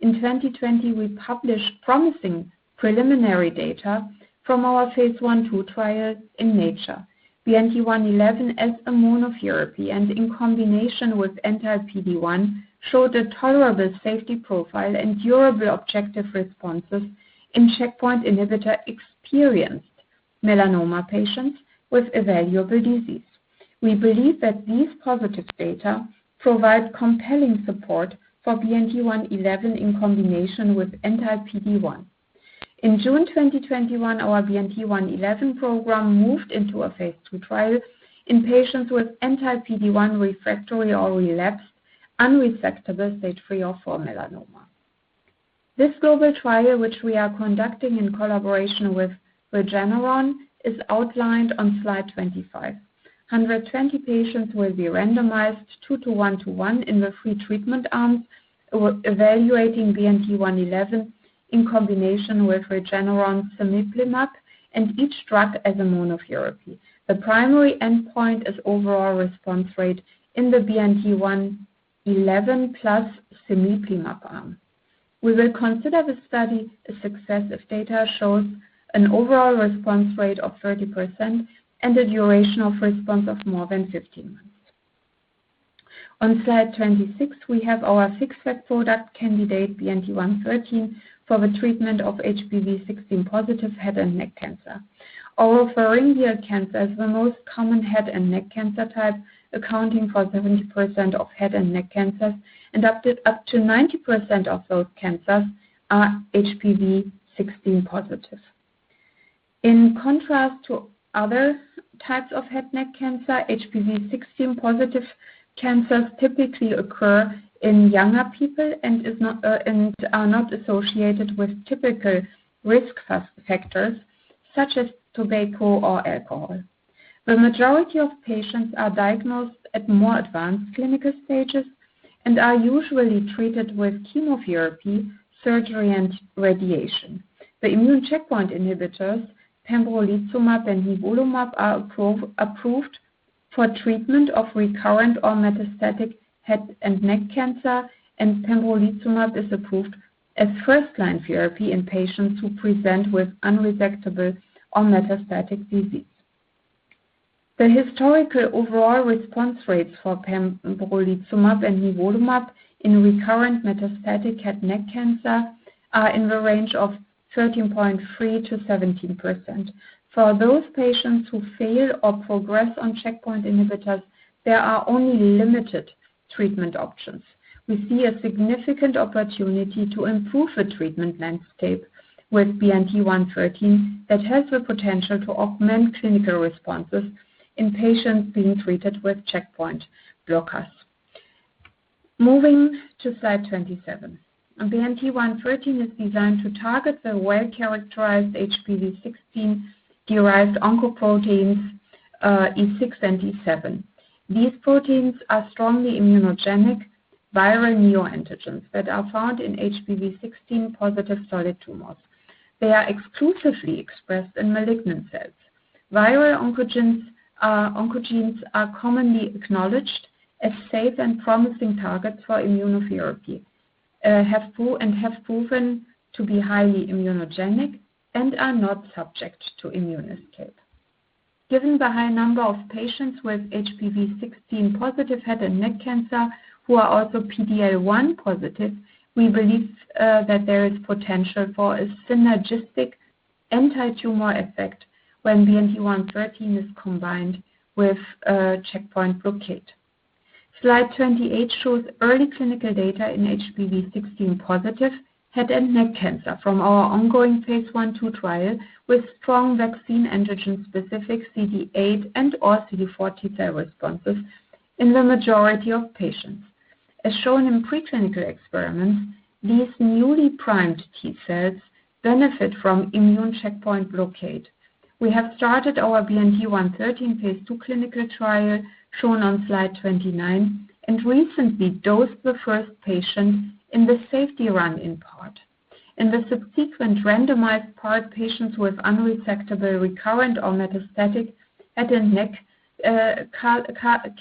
In 2020, we published promising preliminary data from our phase I/II trials in Nature. BNT111 as a monotherapy and in combination with anti-PD-1, showed a tolerable safety profile and durable objective responses in checkpoint inhibitor-experienced melanoma patients with evaluable disease. We believe that these positive data provide compelling support for BNT111 in combination with anti-PD-1. In June 2021, our BNT111 program moved into a phase II trial in patients with anti-PD-1 refractory or relapsed unresectable Stage three or four melanoma. This global trial, which we are conducting in collaboration with Regeneron, is outlined on slide 25. 120 patients will be randomized 2:1:1 in the three treatment arms, evaluating BNT111 in combination with Regeneron's cemiplimab and each drug as a monotherapy. The primary endpoint is overall response rate in the BNT111 plus cemiplimab arm. We will consider the study a success if data shows an overall response rate of 30% and a duration of response of more than 15 months. On slide 26, we have our sixth product candidate, BNT113, for the treatment of HPV 16-positive head and neck cancer. Oropharyngeal cancer is the most common head and neck cancer type, accounting for 70% of head and neck cancers, and up to 90% of those cancers are HPV 16-positive. In contrast to other types of head neck cancer, HPV 16-positive cancers typically occur in younger people and are not associated with typical risk factors such as tobacco or alcohol. The majority of patients are diagnosed at more advanced clinical stages and are usually treated with chemotherapy, surgery, and radiation. The immune checkpoint inhibitors pembrolizumab and nivolumab are approved for treatment of recurrent or metastatic head and neck cancer, and pembrolizumab is approved as first-line therapy in patients who present with unresectable or metastatic disease. The historical overall response rates for pembrolizumab and nivolumab in recurrent metastatic head neck cancer are in the range of 13.3%-17%. For those patients who fail or progress on checkpoint inhibitors, there are only limited treatment options. We see a significant opportunity to improve the treatment landscape with BNT113 that has the potential to augment clinical responses in patients being treated with checkpoint blockers. Moving to slide 27. BNT113 is designed to target the well-characterized HPV16-derived oncoproteins, E6 and E7. These proteins are strongly immunogenic viral neoantigens that are found in HPV16-positive solid tumors. They are exclusively expressed in malignant cells. Viral oncogenes are commonly acknowledged as safe and promising targets for immunotherapy, and have proven to be highly immunogenic and are not subject to immune escape. Given the high number of patients with HPV16-positive head and neck cancer who are also PD-L1 positive, we believe that there is potential for a synergistic anti-tumor effect when BNT113 is combined with a checkpoint blockade. Slide 28 shows early clinical data in HPV16-positive head and neck cancer from our ongoing phase I/II trial with strong vaccine antigen-specific CD8 and/or CD4 T cell responses in the majority of patients. As shown in preclinical experiments, these newly primed T cells benefit from immune checkpoint blockade. We have started our BNT113 phase II clinical trial shown on slide 29, and recently dosed the first patient in the safety run-in part. In the subsequent randomized part, patients with unresectable, recurrent or metastatic head and neck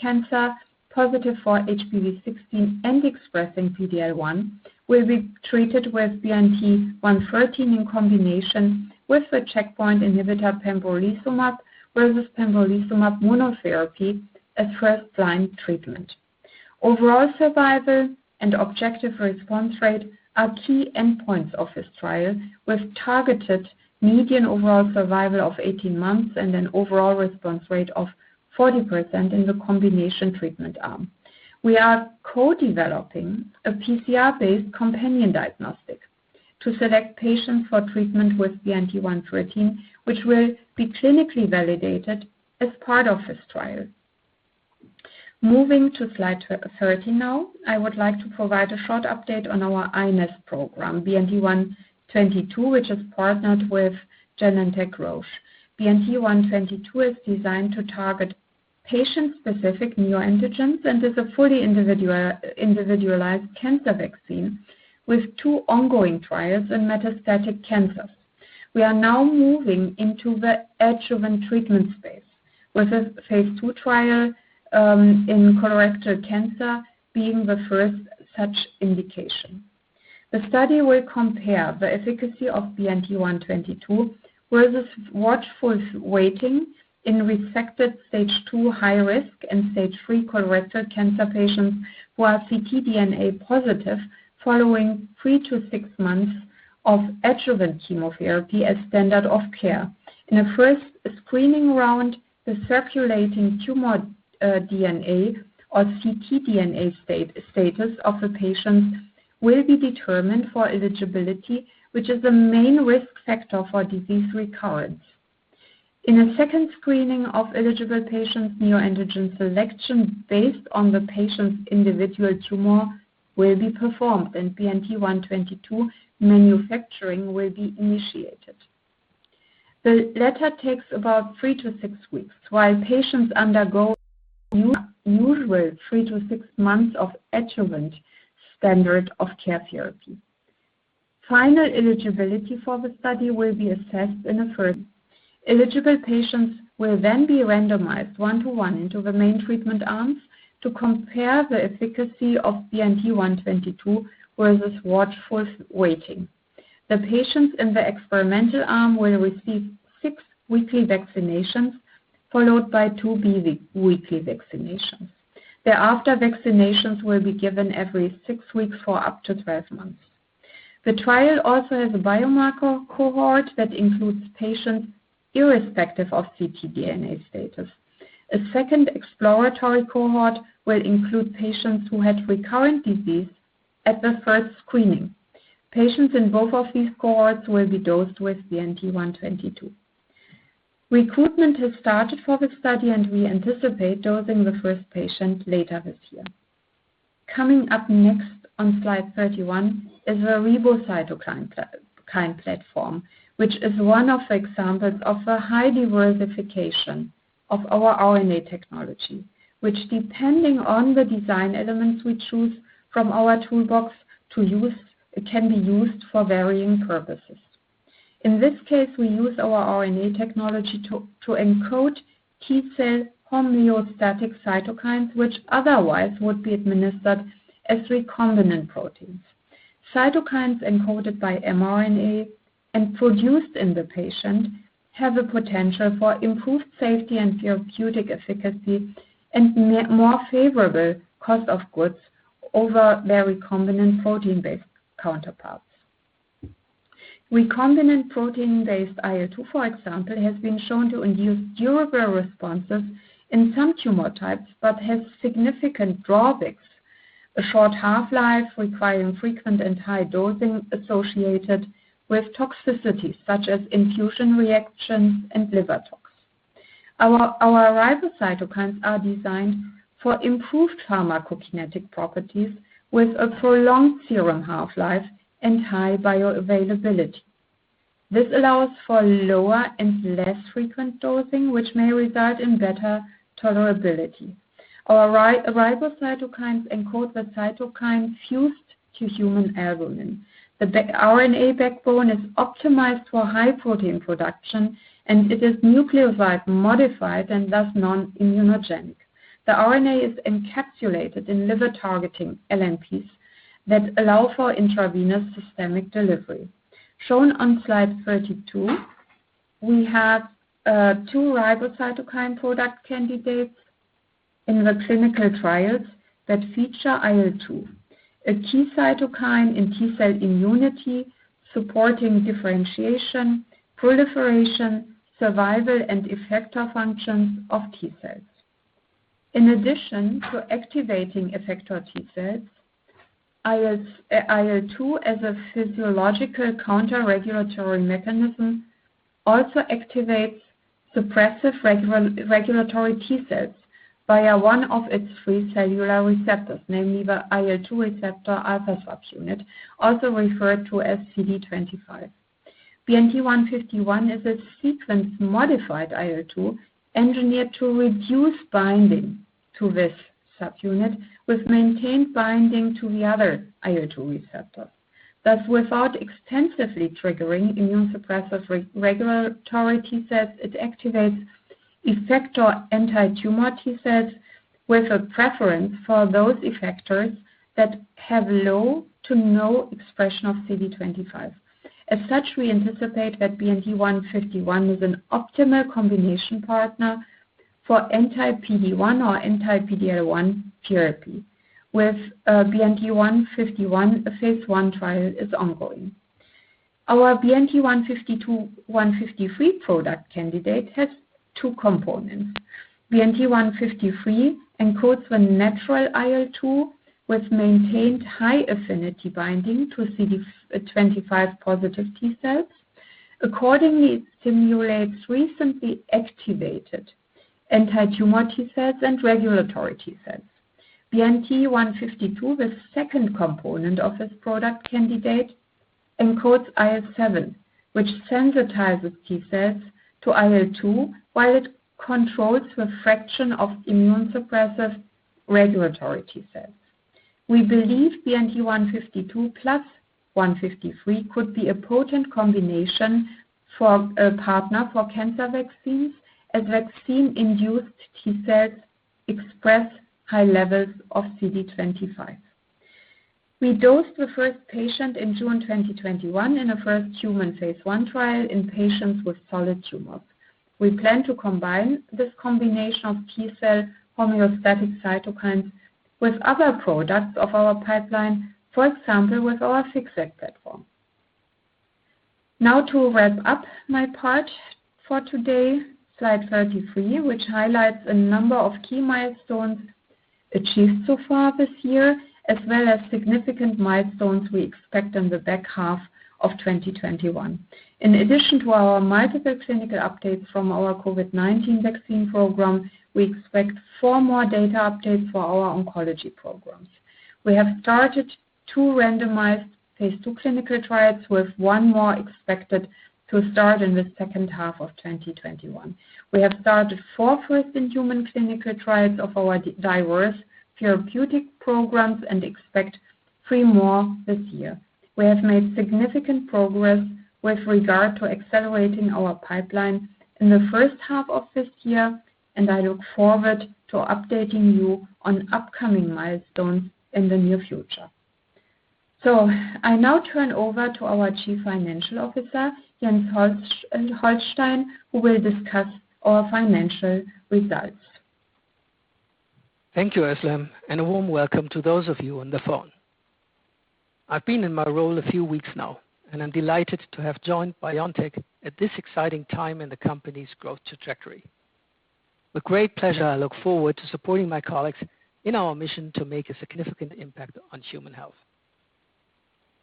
cancer positive for HPV16 and expressing PD-L1 will be treated with BNT113 in combination with the checkpoint inhibitor pembrolizumab, versus pembrolizumab monotherapy as first-line treatment. Overall survival and objective response rate are key endpoints of this trial, with targeted median overall survival of 18 months and an overall response rate of 40% in the combination treatment arm. We are co-developing a PCR-based companion diagnostic to select patients for treatment with BNT113, which will be clinically validated as part of this trial. Moving to slide 30 now, I would like to provide a short update on our iNeST program, BNT122, which is partnered with Genentech Roche. BNT122 is designed to target patient-specific neoantigens and is a fully individualized cancer vaccine with two ongoing trials in metastatic cancers. We are now moving into the adjuvant treatment space with a phase II trial in colorectal cancer being the first such indication. The study will compare the efficacy of BNT122 versus watchful waiting in resected Stage II high risk and Stage III colorectal cancer patients who are ctDNA positive following three to six months of adjuvant chemotherapy as standard of care. In a first screening round, the circulating tumor DNA or ctDNA status of the patients will be determined for eligibility, which is the main risk factor for disease recurrence. In a second screening of eligible patients, neoantigen selection based on the patient's individual tumor will be performed and BNT122 manufacturing will be initiated. The latter takes about three to six weeks, while patients undergo usual three to six months of adjuvant standard of care therapy. Final eligibility for the study will be assessed in the first. Eligible patients will then be randomized one to one into the main treatment arms to compare the efficacy of BNT122 versus watchful waiting. The patients in the experimental arm will receive six weekly vaccinations, followed by two biweekly vaccinations. Thereafter, vaccinations will be given every six weeks for up to 12 months. The trial also has a biomarker cohort that includes patients irrespective of ctDNA status. A second exploratory cohort will include patients who had recurrent disease at the first screening. Patients in both of these cohorts will be dosed with BNT122. Recruitment has started for this study, and we anticipate dosing the first patient later this year. Coming up next on slide 31 is the RiboCytokine platform, which is one of the examples of the high diversification of our RNA technology, which depending on the design elements we choose from our toolbox to use, it can be used for varying purposes. In this case, we use our RNA technology to encode T cell homeostatic cytokines, which otherwise would be administered as recombinant proteins. Cytokines encoded by mRNA and produced in the patient have the potential for improved safety and therapeutic efficacy and more favorable cost of goods over their recombinant protein-based counterparts. Recombinant protein-based IL-2, for example, has been shown to induce durable responses in some tumor types but has significant drawbacks: a short half-life requiring frequent and high dosing associated with toxicities such as infusion reactions and liver tox. Our RiboCytokines are designed for improved pharmacokinetic properties with a prolonged serum half-life and high bioavailability. This allows for lower and less frequent dosing, which may result in better tolerability. Our RiboCytokines encode the cytokine fused to human albumin. The RNA backbone is optimized for high protein production, and it is nucleoside modified and thus non-immunogenic. The RNA is encapsulated in liver-targeting LNPs that allow for intravenous systemic delivery. Shown on slide 32, we have two RiboCytokine product candidates in the clinical trials that feature IL-2, a key cytokine in T cell immunity supporting differentiation, proliferation, survival, and effector functions of T cells. In addition to activating effector T cells, IL-2 as a physiological counterregulatory mechanism also activates suppressive regulatory T cells via one of its three cellular receptors, namely the IL-2 receptor alpha subunit, also referred to as CD25. BNT151 is a sequence-modified IL-2 engineered to reduce binding to this subunit with maintained binding to the other IL-2 receptor. Without extensively triggering immunosuppressive regulatory T cells, it activates effector anti-tumor T cells with a preference for those effectors that have low to no expression of CD25. We anticipate that BNT151 is an optimal combination partner for anti-PD-1 or anti-PD-L1 therapy. With BNT151, a phase I trial is ongoing. Our BNT152/153 product candidate has two components. BNT153 encodes the natural IL-2 with maintained high-affinity binding to CD25-positive T cells. It stimulates recently activated anti-tumor T cells and regulatory T cells. BNT152, the second component of this product candidate, encodes IL-7, which sensitizes T cells to IL-2 while it controls the fraction of immune suppressive regulatory T cells. We believe BNT152 plus 153 could be a potent combination for a partner for cancer vaccines, as vaccine-induced T cells express high levels of CD25. We dosed the first patient in June 2021 in a first-in-human phase I trial in patients with solid tumors. We plan to combine this combination of T-cell homeostatic cytokines with other products of our pipeline, for example, with our FixVac platform. To wrap up my part for today, slide 33, which highlights a number of key milestones achieved so far this year, as well as significant milestones we expect in the back half of 2021. In addition to our multiple clinical updates from our COVID-19 vaccine program, we expect four more data updates for our oncology programs. We have started two randomized phase II clinical trials, with one more expected to start in the second half of 2021. We have started four first-in-human clinical trials of our diverse therapeutic programs and expect three more this year. We have made significant progress with regard to accelerating our pipeline in the first half of this year, and I look forward to updating you on upcoming milestones in the near future. I now turn over to our Chief Financial Officer, Jens Holstein, who will discuss our financial results. Thank you, Özlem, and a warm welcome to those of you on the phone. I've been in my role a few weeks now, and I'm delighted to have joined BioNTech at this exciting time in the company's growth trajectory. With great pleasure, I look forward to supporting my colleagues in our mission to make a significant impact on human health.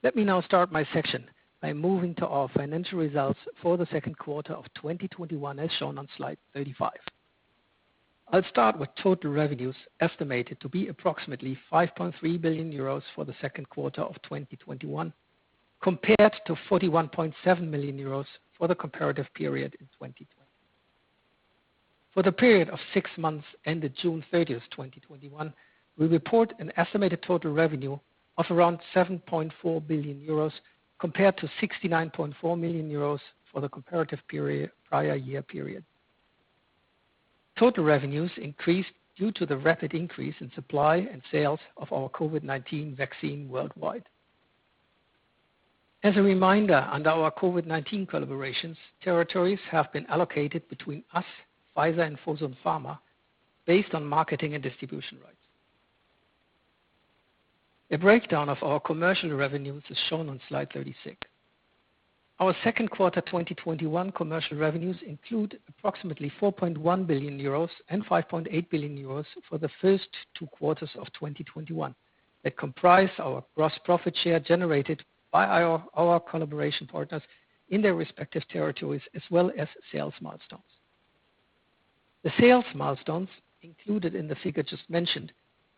Let me now start my section by moving to our financial results for the second quarter of 2021, as shown on slide 35. I'll start with total revenues estimated to be approximately 5.3 billion euros for the second quarter of 2021, compared to 41.7 million euros for the comparative period in 2020. For the period of six months ended June 30th, 2021, we report an estimated total revenue of around 7.4 billion euros compared to 69.4 million euros for the comparative prior year period. Total revenues increased due to the rapid increase in supply and sales of our COVID-19 vaccine worldwide. As a reminder, under our COVID-19 collaborations, territories have been allocated between us, Pfizer, and Fosun Pharma based on marketing and distribution rights. A breakdown of our commercial revenues is shown on slide 36. Our second quarter 2021 commercial revenues include approximately 4.1 billion euros and 5.8 billion euros for the first two quarters of 2021, that comprise our gross profit share generated by our collaboration partners in their respective territories, as well as sales milestones. The sales milestones included in the figure just mentioned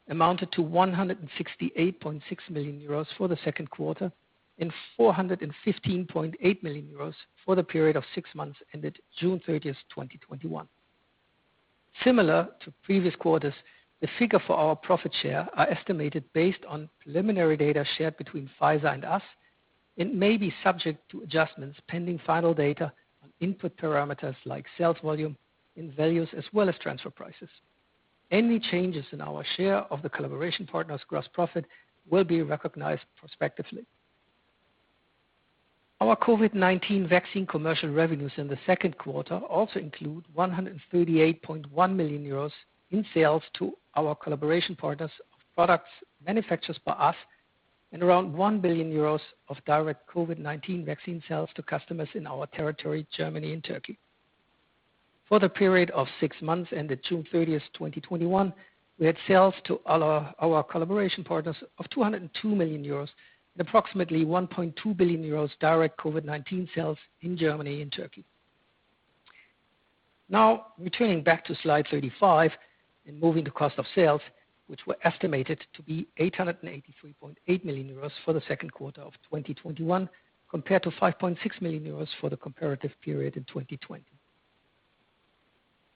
amounted to 168.6 million euros for the second quarter and 415.8 million euros for the period of six months ended June 30th, 2021. Similar to previous quarters, the figure for our profit share are estimated based on preliminary data shared between Pfizer and us and may be subject to adjustments, pending final data on input parameters like sales volume and values, as well as transfer prices. Any changes in our share of the collaboration partner's gross profit will be recognized prospectively. Our COVID-19 vaccine commercial revenues in the second quarter also include 138.1 million euros in sales to our collaboration partners of products manufactured by us and around 1 billion euros of direct COVID-19 vaccine sales to customers in our territory, Germany and Turkey. For the period of six months ended June 30, 2021, we had sales to our collaboration partners of 202 million euros and approximately 1.2 billion euros direct COVID-19 sales in Germany and Turkey. Returning back to slide 35 and moving to cost of sales, which were estimated to be 883.8 million euros for the second quarter of 2021, compared to 5.6 million euros for the comparative period in 2020.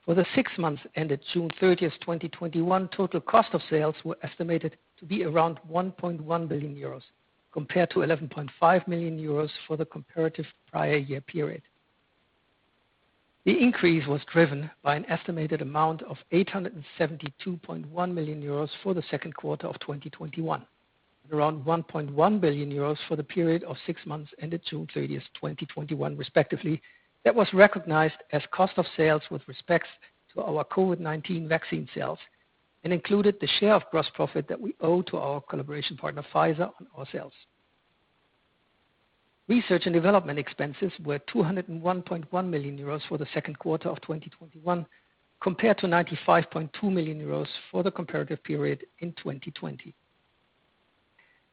For the six months ended June 30th, 2021, total cost of sales were estimated to be around 1.1 billion euros compared to 11.5 million euros for the comparative prior year period. The increase was driven by an estimated amount of 872.1 million euros for the second quarter of 2021 and around 1.1 billion euros for the period of six months ended June 30th, 2021, respectively. That was recognized as cost of sales with respect to our COVID-19 vaccine sales and included the share of gross profit that we owe to our collaboration partner, Pfizer, on our sales. Research and development expenses were 201.1 million euros for the second quarter of 2021, compared to 95.2 million euros for the comparative period in 2020.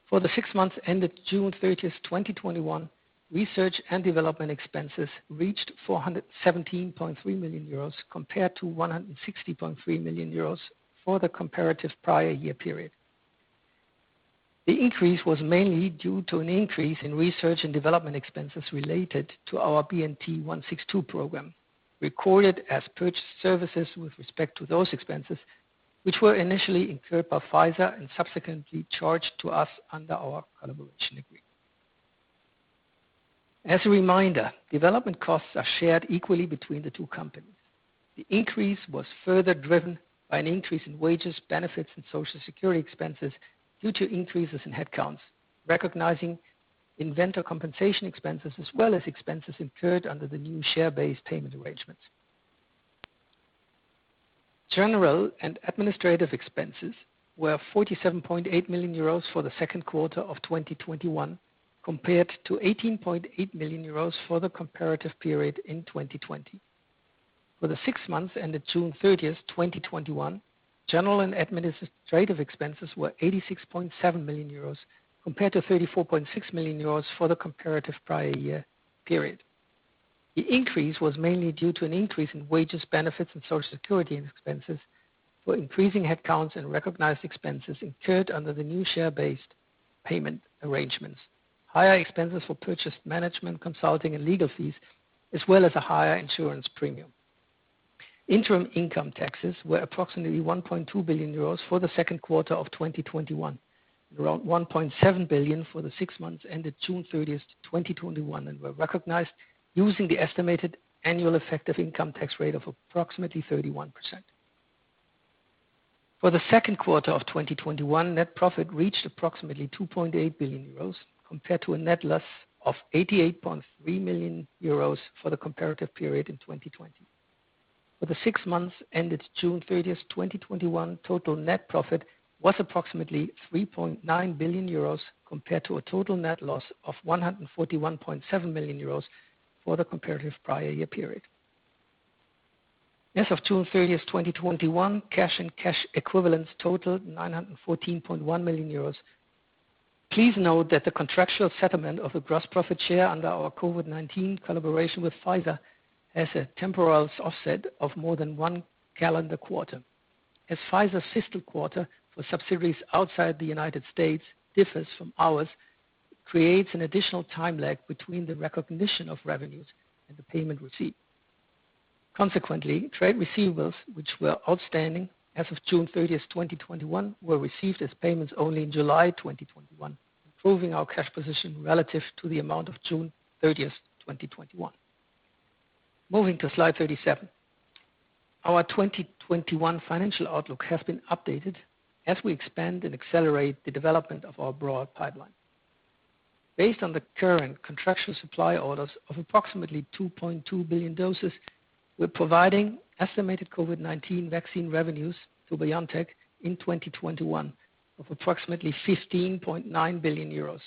For the six months ended June 30th, 2021, research and development expenses reached 417.3 million euros compared to 160.3 million euros for the comparative prior year period. The increase was mainly due to an increase in research and development expenses related to our BNT162 program, recorded as purchased services with respect to those expenses, which were initially incurred by Pfizer and subsequently charged to us under our collaboration agreement. As a reminder, development costs are shared equally between the two companies. The increase was further driven by an increase in wages, benefits, and Social Security expenses due to increases in headcounts, recognizing inventor compensation expenses, as well as expenses incurred under the new share-based payment arrangements. General and administrative expenses were 47.8 million euros for the second quarter of 2021, compared to 18.8 million euros for the comparative period in 2020. For the six months ended June 30th, 2021, general and administrative expenses were 86.7 million euros, compared to 34.6 million euros for the comparative prior year period. The increase was mainly due to an increase in wages, benefits, and Social Security expenses for increasing headcounts and recognized expenses incurred under the new share-based payment arrangements, higher expenses for purchase management consulting and legal fees, as well as a higher insurance premium. Interim income taxes were approximately 1.2 billion euros for the second quarter of 2021, around 1.7 billion for the six months ended June 30th, 2021, and were recognized using the estimated annual effective income tax rate of approximately 31%. For the second quarter of 2021, net profit reached approximately 2.8 billion euros, compared to a net loss of 88.3 million euros for the comparative period in 2020. For the six months ended June 30th, 2021, total net profit was approximately 3.9 billion euros, compared to a total net loss of 141.7 million euros for the comparative prior year period. As of June 30th, 2021, cash and cash equivalents totaled 914.1 million euros. Please note that the contractual settlement of the gross profit share under our COVID-19 collaboration with Pfizer has a temporal offset of more than one calendar quarter. As Pfizer's fiscal quarter for subsidiaries outside the United States differs from ours, it creates an additional time lag between the recognition of revenues and the payment received. Consequently, trade receivables, which were outstanding as of June 30th, 2021, were received as payments only in July 2021, improving our cash position relative to the amount of June 30th, 2021. Moving to Slide 37. Our 2021 financial outlook has been updated as we expand and accelerate the development of our broad pipeline. Based on the current contractual supply orders of approximately 2.2 billion doses, we're providing estimated COVID-19 vaccine revenues to BioNTech in 2021 of approximately 15.9 billion euros.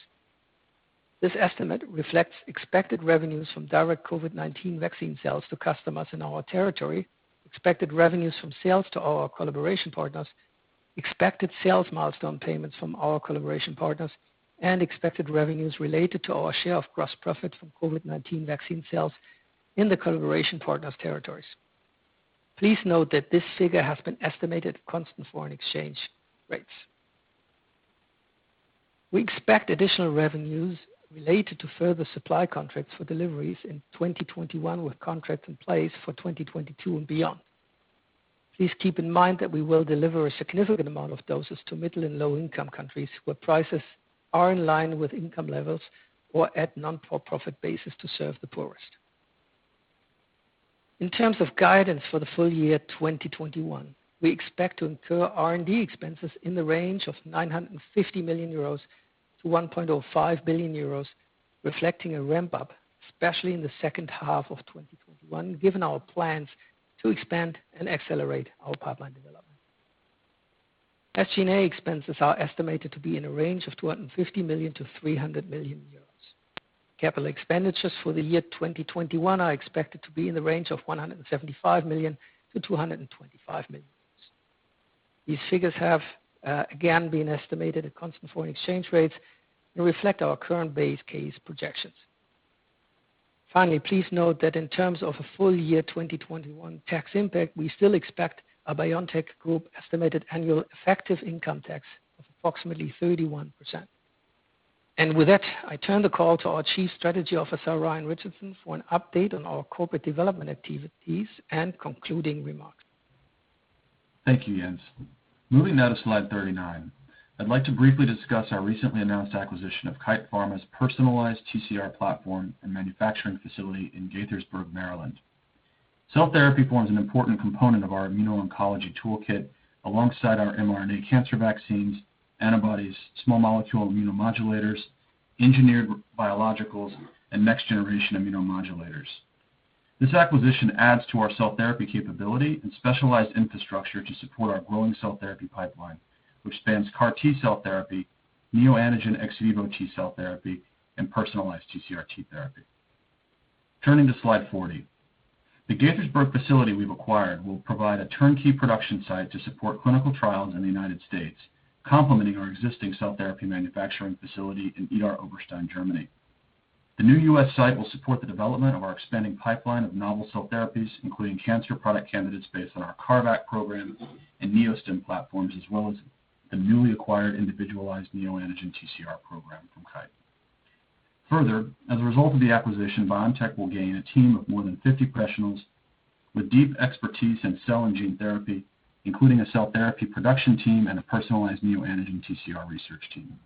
This estimate reflects expected revenues from direct COVID-19 vaccine sales to customers in our territory, expected revenues from sales to our collaboration partners, expected sales milestone payments from our collaboration partners, and expected revenues related to our share of gross profit from COVID-19 vaccine sales in the collaboration partners' territories. Please note that this figure has been estimated at constant foreign exchange rates. We expect additional revenues related to further supply contracts for deliveries in 2021, with contracts in place for 2022 and beyond. Please keep in mind that we will deliver a significant amount of doses to middle and low-income countries, where prices are in line with income levels or at not-for-profit basis to serve the poorest. In terms of guidance for the full year 2021, we expect to incur R&D expenses in the range of 950 million-1.05 billion euros, reflecting a ramp-up, especially in the second half of 2021, given our plans to expand and accelerate our pipeline development. SG&A expenses are estimated to be in a range of 250 million-300 million euros. Capital expenditures for the year 2021 are expected to be in the range of 175 million-225 million euros. These figures have, again, been estimated at constant foreign exchange rates and reflect our current base case projections. Finally, please note that in terms of a full year 2021 tax impact, we still expect a BioNTech group estimated annual effective income tax of approximately 31%. With that, I turn the call to our Chief Strategy Officer, Ryan Richardson, for an update on our corporate development activities and concluding remarks. Thank you, Jens. Moving now to Slide 39, I'd like to briefly discuss our recently announced acquisition of Kite Pharma's personalized TCR platform and manufacturing facility in Gaithersburg, Maryland. Cell therapy forms an important component of our immuno-oncology toolkit alongside our mRNA cancer vaccines, antibodies, small molecule immunomodulators, engineered biologicals, and next generation immunomodulators. This acquisition adds to our cell therapy capability and specialized infrastructure to support our growing cell therapy pipeline, which spans CAR T-cell therapy, neoantigen ex vivo T-cell therapy, and personalized TCR-T therapy. Turning to Slide 40. The Gaithersburg facility we've acquired will provide a turnkey production site to support clinical trials in the United States, complementing our existing cell therapy manufacturing facility in Idar-Oberstein, Germany. The new U.S. site will support the development of our expanding pipeline of novel cell therapies, including cancer product candidates based on our CARVac program and NEO-STIM platforms, as well as the newly acquired individualized neoantigen TCR program from Kite. As a result of the acquisition, BioNTech will gain a team of more than 50 professionals with deep expertise in cell and gene therapy, including a cell therapy production team and a personalized neoantigen TCR research team.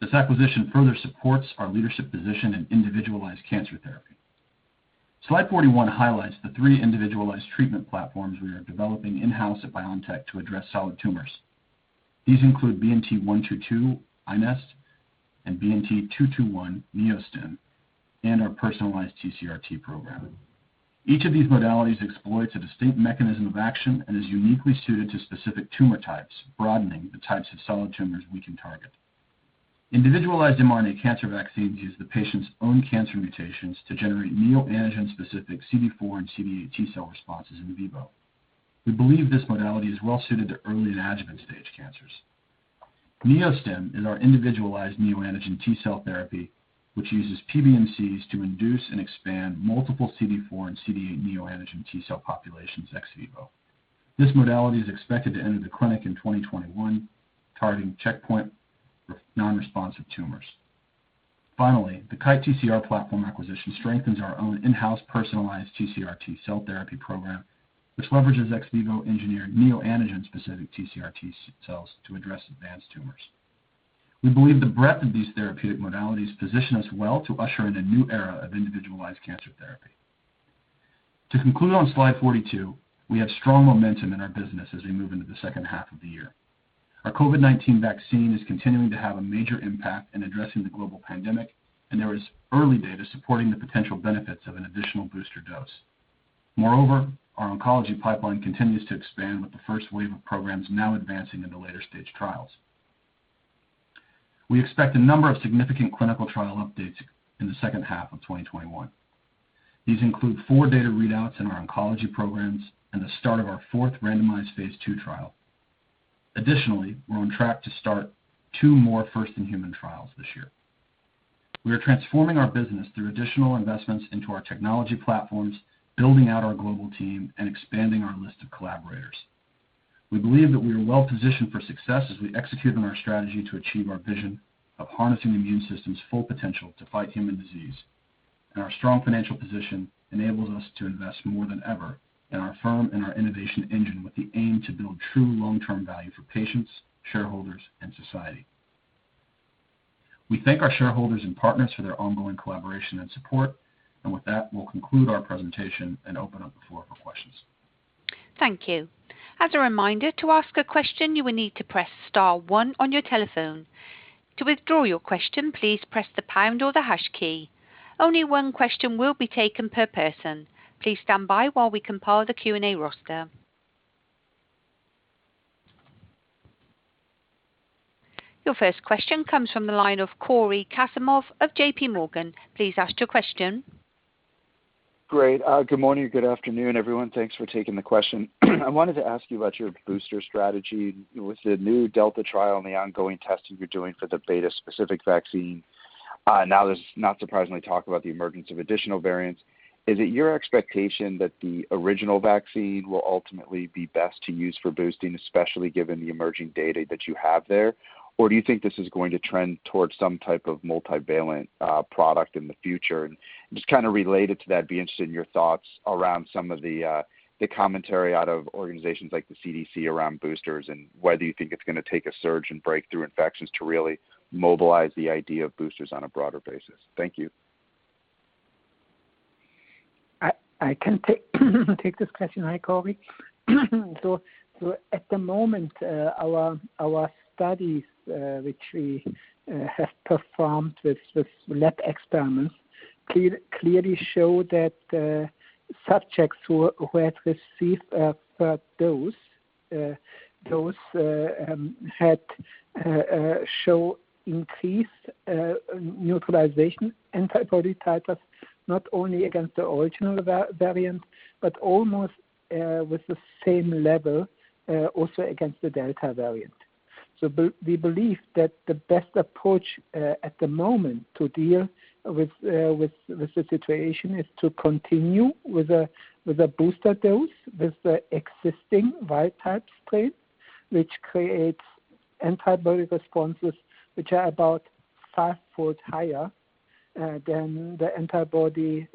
This acquisition further supports our leadership position in individualized cancer therapy. Slide 41 highlights the three individualized treatment platforms we are developing in-house at BioNTech to address solid tumors. These include BNT122, iNeST, and BNT221, NEO-STIM, and our personalized TCR-T program. Each of these modalities exploits a distinct mechanism of action and is uniquely suited to specific tumor types, broadening the types of solid tumors we can target. Individualized mRNA cancer vaccines use the patient's own cancer mutations to generate neoantigen-specific CD4 and CD8 T cell responses in vivo. We believe this modality is well suited to early and adjuvant stage cancers. NEO-STIM is our individualized neoantigen T cell therapy, which uses PBMCs to induce and expand multiple CD4 and CD8 neoantigen T cell populations ex vivo. This modality is expected to enter the clinic in 2021, targeting checkpoint non-responsive tumors. Finally, the Kite TCR platform acquisition strengthens our own in-house personalized TCR-T cell therapy program, which leverages ex vivo engineered neoantigen-specific TCR-T cells to address advanced tumors. We believe the breadth of these therapeutic modalities position us well to usher in a new era of individualized cancer therapy. To conclude on slide 42, we have strong momentum in our business as we move into the second half of the year. Our COVID-19 vaccine is continuing to have a major impact in addressing the global pandemic. There is early data supporting the potential benefits of an additional booster dose. Moreover, our oncology pipeline continues to expand with the first wave of programs now advancing into later stage trials. We expect a number of significant clinical trial updates in the second half of 2021. These include four data readouts in our oncology programs and the start of our fourth randomized phase II trial. Additionally, we're on track to start two more first-in-human trials this year. We are transforming our business through additional investments into our technology platforms, building out our global team, and expanding our list of collaborators. We believe that we are well positioned for success as we execute on our strategy to achieve our vision of harnessing the immune system's full potential to fight human disease. Our strong financial position enables us to invest more than ever in our firm and our innovation engine with the aim to build true long-term value for patients, shareholders, and society. We thank our shareholders and partners for their ongoing collaboration and support, and with that, we will conclude our presentation and open up the floor for questions. Thank you. As a reminder, to ask a question, you will need to press *1 on your telephone. To withdraw your question, please press the pound or the hash key. Only one question will be taken per person. Please stand by while we compile the Q&A roster. Your first question comes from the line of Cory Kasimov of JP Morgan. Please ask your question. Great. Good morning. Good afternoon, everyone. Thanks for taking the question. I wanted to ask you about your booster strategy with the new Delta trial and the ongoing testing you're doing for the Beta specific vaccine. Now there's not surprisingly talk about the emergence of additional variants. Is it your expectation that the original vaccine will ultimately be best to use for boosting, especially given the emerging data that you have there? Or do you think this is going to trend towards some type of multivalent product in the future? And just kind of related to that, be interested in your thoughts around some of the commentary out of organizations like the CDC around boosters, and whether you think it's going to take a surge in breakthrough infections to really mobilize the idea of boosters on a broader basis. Thank you. I can take this question. Hi, Cory. At the moment, our studies, which we have performed with lab experiments, clearly show that subjects who had received a third dose had show increased neutralization antibody titers, not only against the original variant, but almost with the same level, also against the Delta variant. We believe that the best approach at the moment to deal with the situation is to continue with a booster dose with the existing wild type strain, which creates antibody responses which are about fivefold higher than the antibody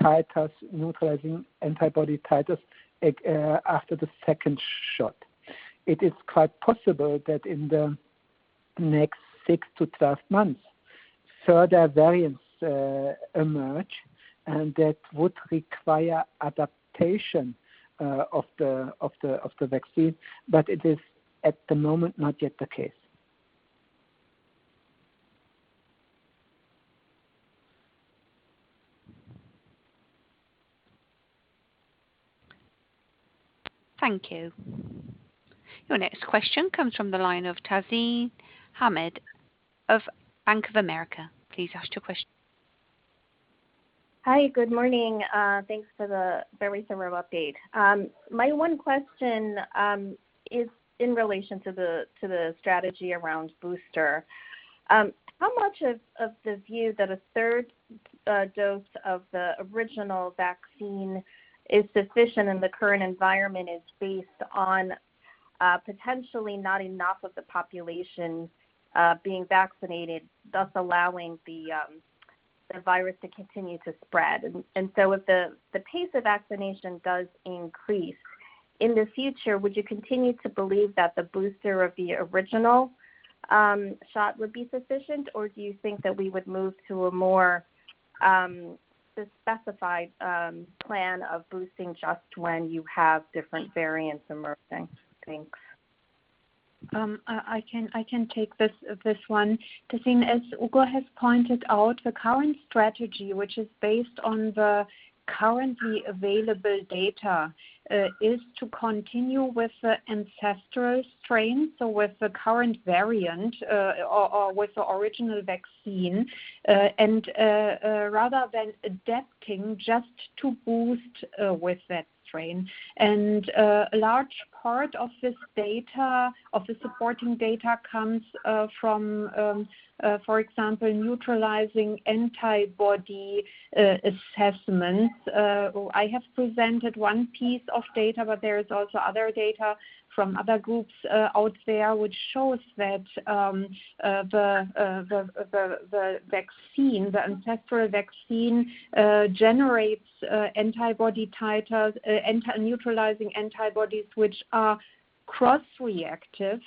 titers, neutralizing antibody titers, after the second shot. It is quite possible that in the next six to 12 months, further variants emerge, and that would require adaptation of the vaccine, but it is at the moment not yet the case. Thank you. Your next question comes from the line of Tazeen Ahmad of Bank of America. Please ask your question. Hi, good morning. Thanks for the very thorough update. My one question is in relation to the strategy around booster. How much of the view that a third dose of the original vaccine is sufficient in the current environment is based on potentially not enough of the population being vaccinated, thus allowing the virus to continue to spread. If the pace of vaccination does increase in the future, would you continue to believe that the booster of the original shot would be sufficient, or do you think that we would move to a more specified plan of boosting just when you have different variants emerging? Thanks. I can take this one. Tazeen, as Ugur has pointed out, the current strategy, which is based on the currently available data, is to continue with the ancestral strain, so with the current variant or with the original vaccine, rather than adapting just to boost with that strain. A large part of the supporting data comes from, for example, neutralizing antibody assessments. I have presented one piece of data, but there is also other data from other groups out there which shows that the ancestral vaccine generates neutralizing antibodies, which are cross-reactive,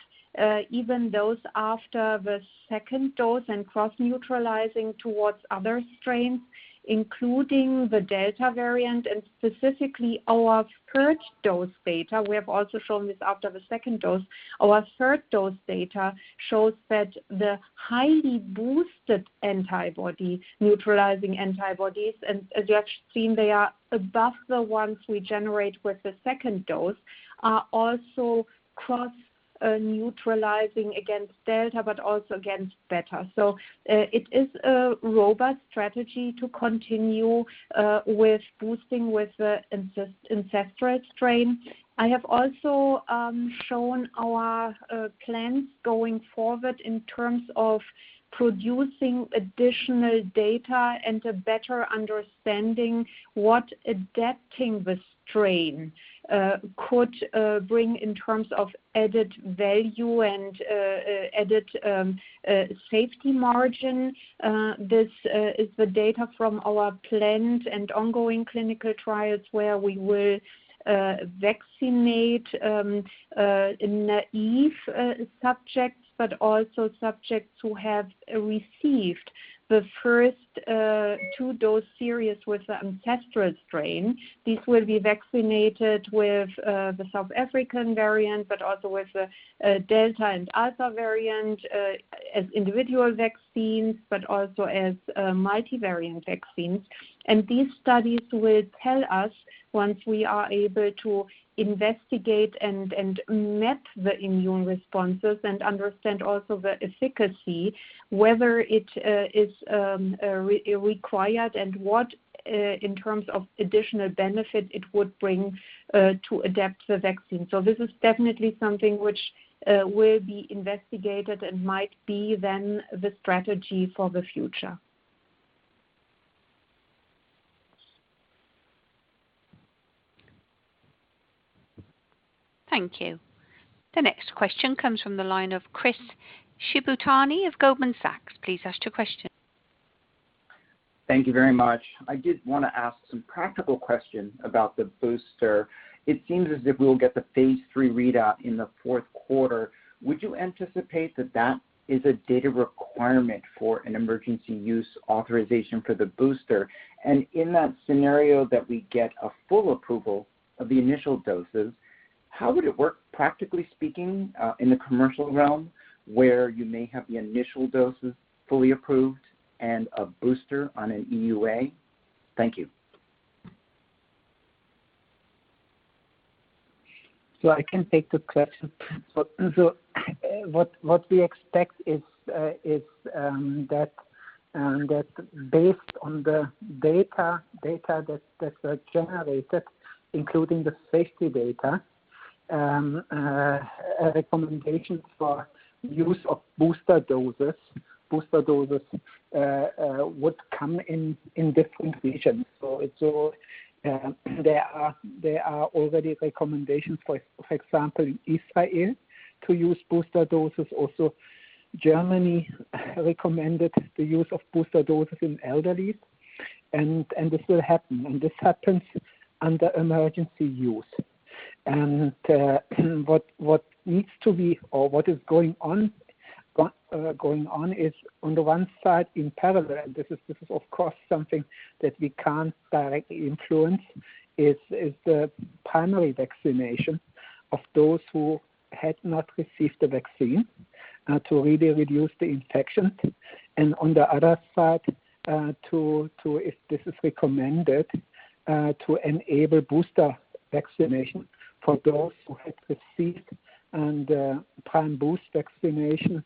even those after the second dose, and cross-neutralizing towards other strains, including the Delta variant and specifically our third-dose data. We have also shown this after the second dose. Our third-dose data shows that the highly boosted neutralizing antibodies, and as you have seen, they are above the ones we generate with the second dose, are also cross-neutralizing against Delta but also against Beta. It is a robust strategy to continue with boosting with the ancestral strain. I have also shown our plans going forward in terms of producing additional data and a better understanding what adapting the strain could bring in terms of added value and added safety margin. This is the data from our planned and ongoing clinical trials where we will vaccinate naive subjects, but also subjects who have received the first second-dose series with the ancestral strain. These will be vaccinated with the South African variant, but also with the Delta and Alpha variant as individual vaccines, but also as multivariant vaccines. These studies will tell us, once we are able to investigate and map the immune responses and understand also the efficacy, whether it is required and what, in terms of additional benefit, it would bring to adapt the vaccine. This is definitely something which will be investigated and might be then the strategy for the future. Thank you. The next question comes from the line of Chris Shibutani of Goldman Sachs. Please ask your question. Thank you very much. I did want to ask some practical questions about the booster. It seems as if we will get the phase III readout in the fouth quarter. Would you anticipate that that is a data requirement for an EUA for the booster? In that scenario that we get a full approval of the initial doses, how would it work, practically speaking, in the commercial realm, where you may have the initial doses fully approved and a booster on an EUA? Thank you. I can take the question. What we expect is that based on the data that are generated, including the safety data, recommendations for use of booster doses would come in different regions. There are already recommendations, for example, in Israel to use booster doses. Germany recommended the use of booster doses in elderly, and this will happen, and this happens under emergency use. What needs to be or what is going on is on the one side in parallel, this is of course something that we can't directly influence, is the primary vaccination of those who had not received the vaccine to really reduce the infection. On the other side, if this is recommended, to enable booster vaccination for those who had received and prime boost vaccination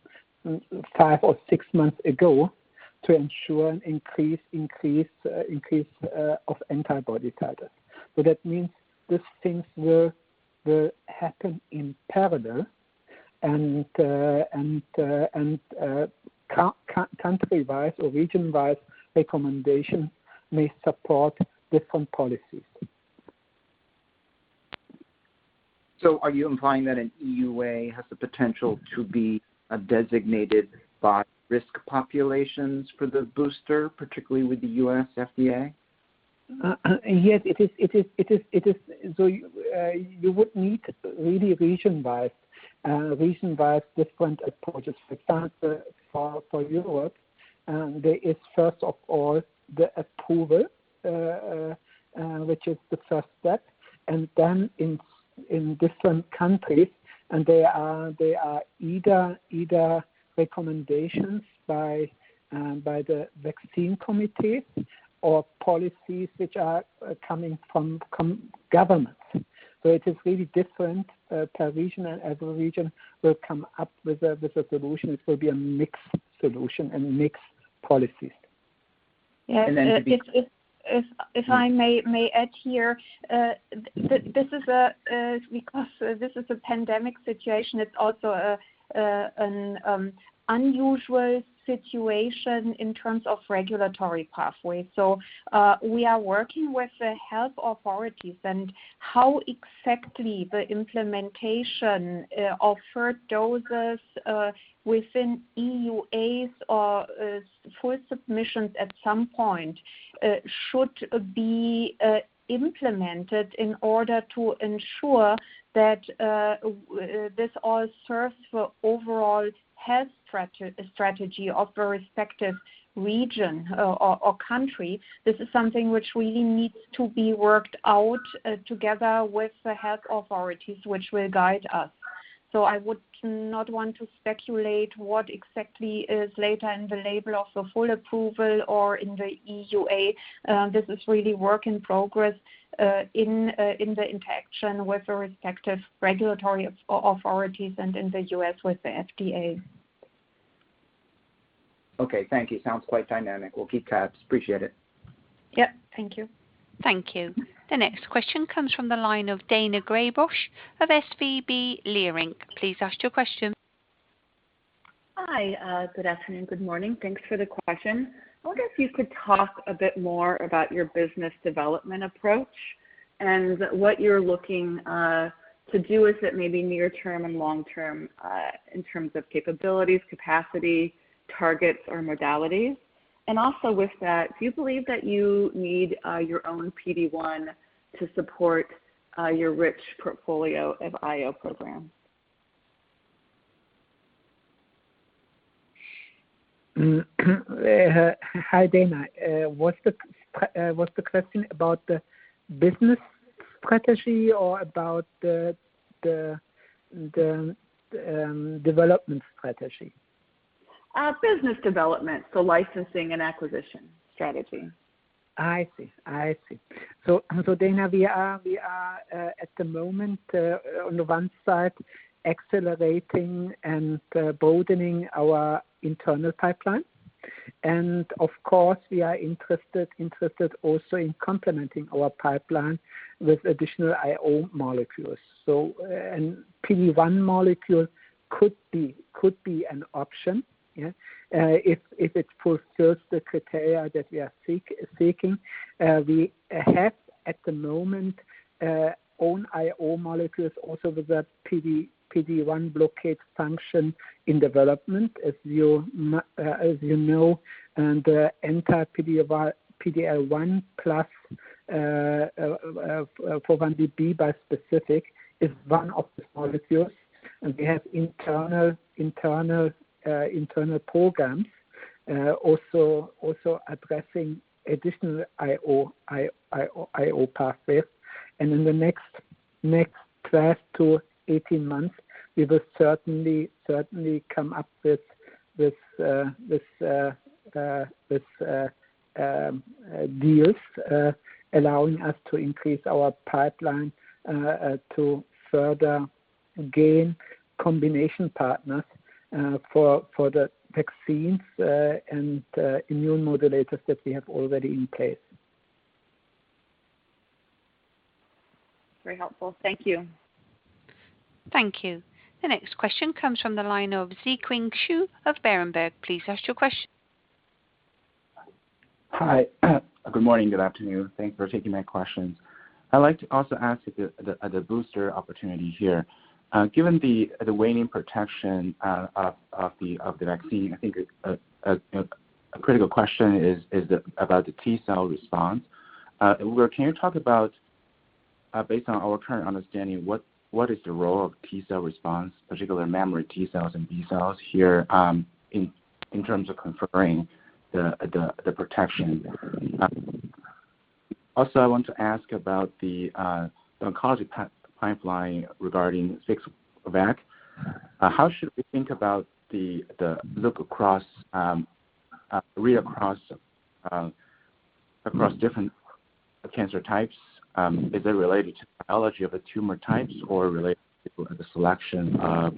five o six months ago to ensure an increase of antibody titer. That means these things will happen in parallel, and country-wide or region-wide recommendations may support different policies. Are you implying that an EUA has the potential to be a designated by risk populations for the booster, particularly with the U.S. FDA? Yes, it is. You would need really region by different approaches. For example, for Europe, there is, first of all, the approval, which is the first step. Then in different countries, they are either recommendations by the vaccine committee or policies which are coming from governments. It is really different per region, and every region will come up with a solution. It will be a mixed solution and mixed policies. Yes. If I may add here, because this is a pandemic situation, it is also an unusual situation in terms of regulatory pathways. We are working with the health authorities and how exactly the implementation of third doses within EUAs or full submissions at some point should be implemented in order to ensure that this all serves for overall health strategy of the respective region or country. This is something which really needs to be worked out together with the health authorities, which will guide us. I would not want to speculate what exactly is later in the label of the full approval or in the EUA. This is really work in progress in the interaction with the respective regulatory authorities and in the U.S. with the FDA. Okay, thank you. Sounds quite dynamic. We'll keep tabs. Appreciate it. Yep. Thank you. Thank you. The next question comes from the line of Daina Graybosch of SVB Leerink. Please ask your question. Hi. Good afternoon. Good morning. Thanks for the question. I wonder if you could talk a bit more about your business development approach and what you're looking to do is it maybe near term and long term, in terms of capabilities, capacity, targets, or modalities? Also with that, do you believe that you need your own PD-1 to support your rich portfolio of IO programs? Hi, Daina. Was the question about the business strategy or about the development strategy? Business development, so licensing and acquisition strategy. I see. Daina, we are at the moment, on the one side, accelerating and broadening our internal pipeline. Of course, we are interested also in complementing our pipeline with additional IO molecules. A PD-1 molecule could be an option, yeah, if it fulfills the criteria that we are seeking. We have, at the moment, own IO molecules also with the PD-1 blockade function in development, as you know, and the anti-PD-L1 plus 4-1BB bispecific is one of the molecules. We have internal programs also addressing additional IO pathways. In the next 12-18 months, we will certainly come up with deals allowing us to increase our pipeline to further gain combination partners for the vaccines and immune modulators that we have already in place. Very helpful. Thank you. Thank you. The next question comes from the line of Zhiqiang Shu of Berenberg. Please ask your question. Hi. Good morning. Good afternoon. Thanks for taking my questions. I'd like to also ask the other booster opportunity here. Given the waning protection of the vaccine, I think a critical question is about the T-cell response. Can you talk about, based on our current understanding, what is the role of T-cell response, particularly memory T cells and B cells here, in terms of conferring the protection? Also, I want to ask about the oncology pipeline regarding FixVac. How should we think about the look across, read across different cancer types? Is it related to pathology of the tumor types or related to the selection of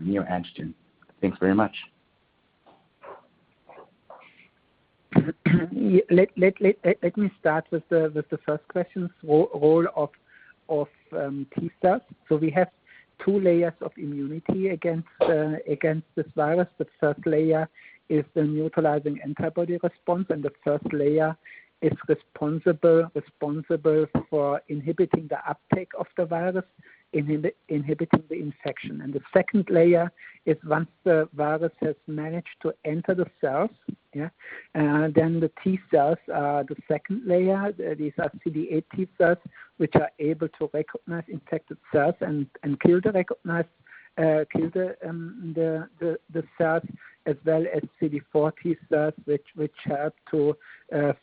neoantigen? Thanks very much. Let me start with the first question, role of T cells. We have two layers of immunity against this virus. The first layer is the neutralizing antibody response. The first layer is responsible for inhibiting the uptake of the virus, inhibiting the infection. The second layer is once the virus has managed to enter the cells, yeah? The T cells are the second layer. These are CD8 T cells, which are able to recognize infected cells and kill the cells as well as CD4 T cells, which help to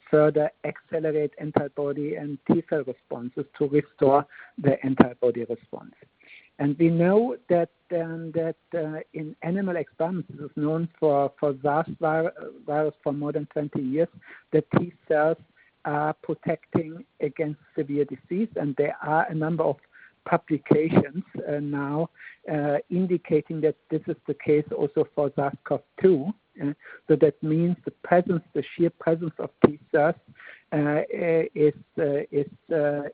further accelerate antibody and T cell responses to restore the antibody response. We know that in animal experiments, this is known for SARS virus for more than 20 years, that T cells are protecting against severe disease. There are a number of publications now indicating that this is the case also for SARS-CoV-2. That means the sheer presence of T cells is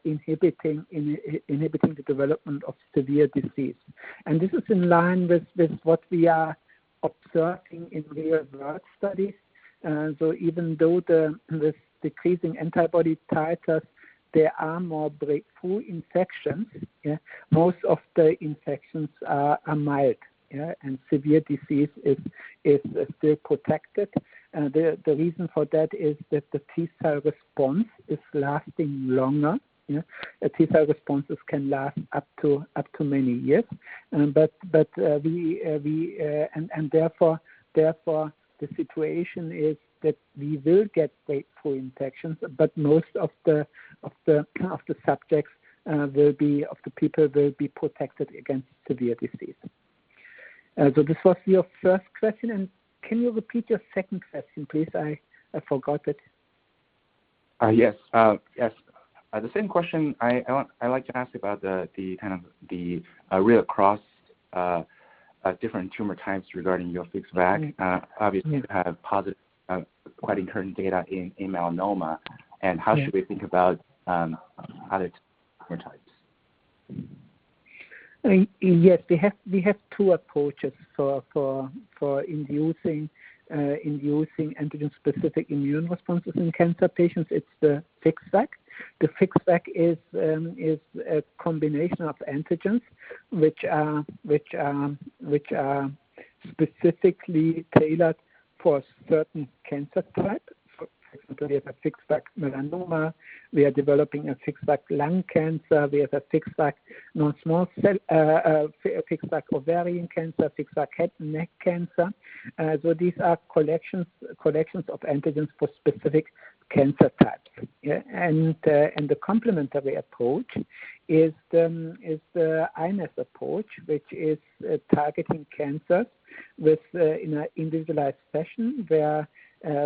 inhibiting the development of severe disease. This is in line with what we are observing in real world studies. Even though the decreasing antibody titers, there are more breakthrough infections, most of the infections are mild. Severe disease is still protected. The reason for that is that the T cell response is lasting longer. T cell responses can last up to many years. Therefore, the situation is that we will get breakthrough infections, but most of the subjects, of the people will be protected against severe disease. This was your first question, and can you repeat your second question, please? I forgot it. Yes. The same question. I like to ask about the real cross different tumor types regarding your FixVac. Obviously you have quite encouraging data in melanoma, how should we think about other prototypes? We have two approaches for inducing antigen-specific immune responses in cancer patients. It's the FixVac. The FixVac is a combination of antigens, which are specifically tailored for certain cancer types. For example, we have a FixVac melanoma. We are developing a FixVac lung cancer. We have a FixVac ovarian cancer, FixVac head and neck cancer. These are collections of antigens for specific cancer types. The complementary approach is the iNeST approach, which is targeting cancers in an individualized fashion, where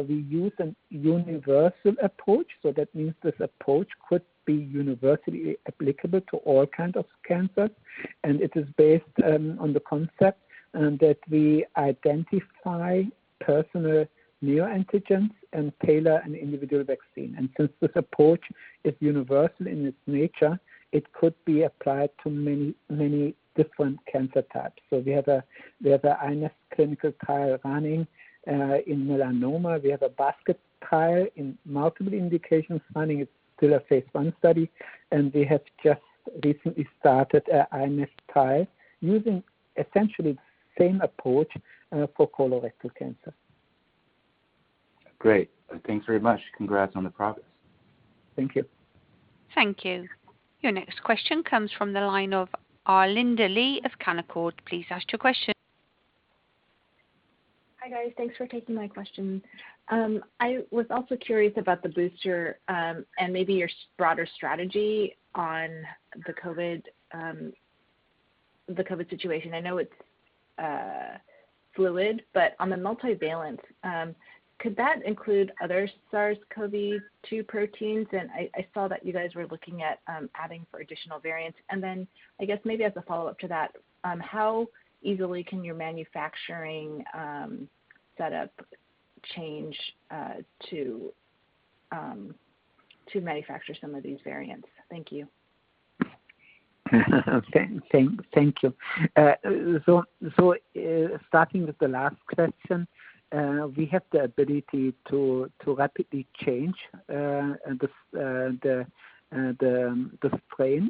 we use a universal approach. That means this approach could be universally applicable to all kinds of cancers. It is based on the concept that we identify personal neoantigens and tailor an individual vaccine. Since this approach is universal in its nature, it could be applied to many different cancer types. We have a iNeST clinical trial running in melanoma. We have a basket trial in multiple indications running. It's still a phase I study. We have just recently started a iNeST trial using essentially the same approach for colorectal cancer. Great. Thanks very much. Congrats on the progress. Thank you. Thank you. Your next question comes from the line of Arlinda Lee of Canaccord. Please ask your question. Hi, guys. Thanks for taking my question. I was also curious about the booster, and maybe your broader strategy on the COVID-19 situation. I know it's fluid, but on the multivalent, could that include other SARS-CoV-2 proteins? I saw that you guys were looking at adding for additional variants. I guess maybe as a follow-up to that, how easily can your manufacturing setup change to manufacture some of these variants? Thank you. Okay. Thank you. Starting with the last question, we have the ability to rapidly change the strain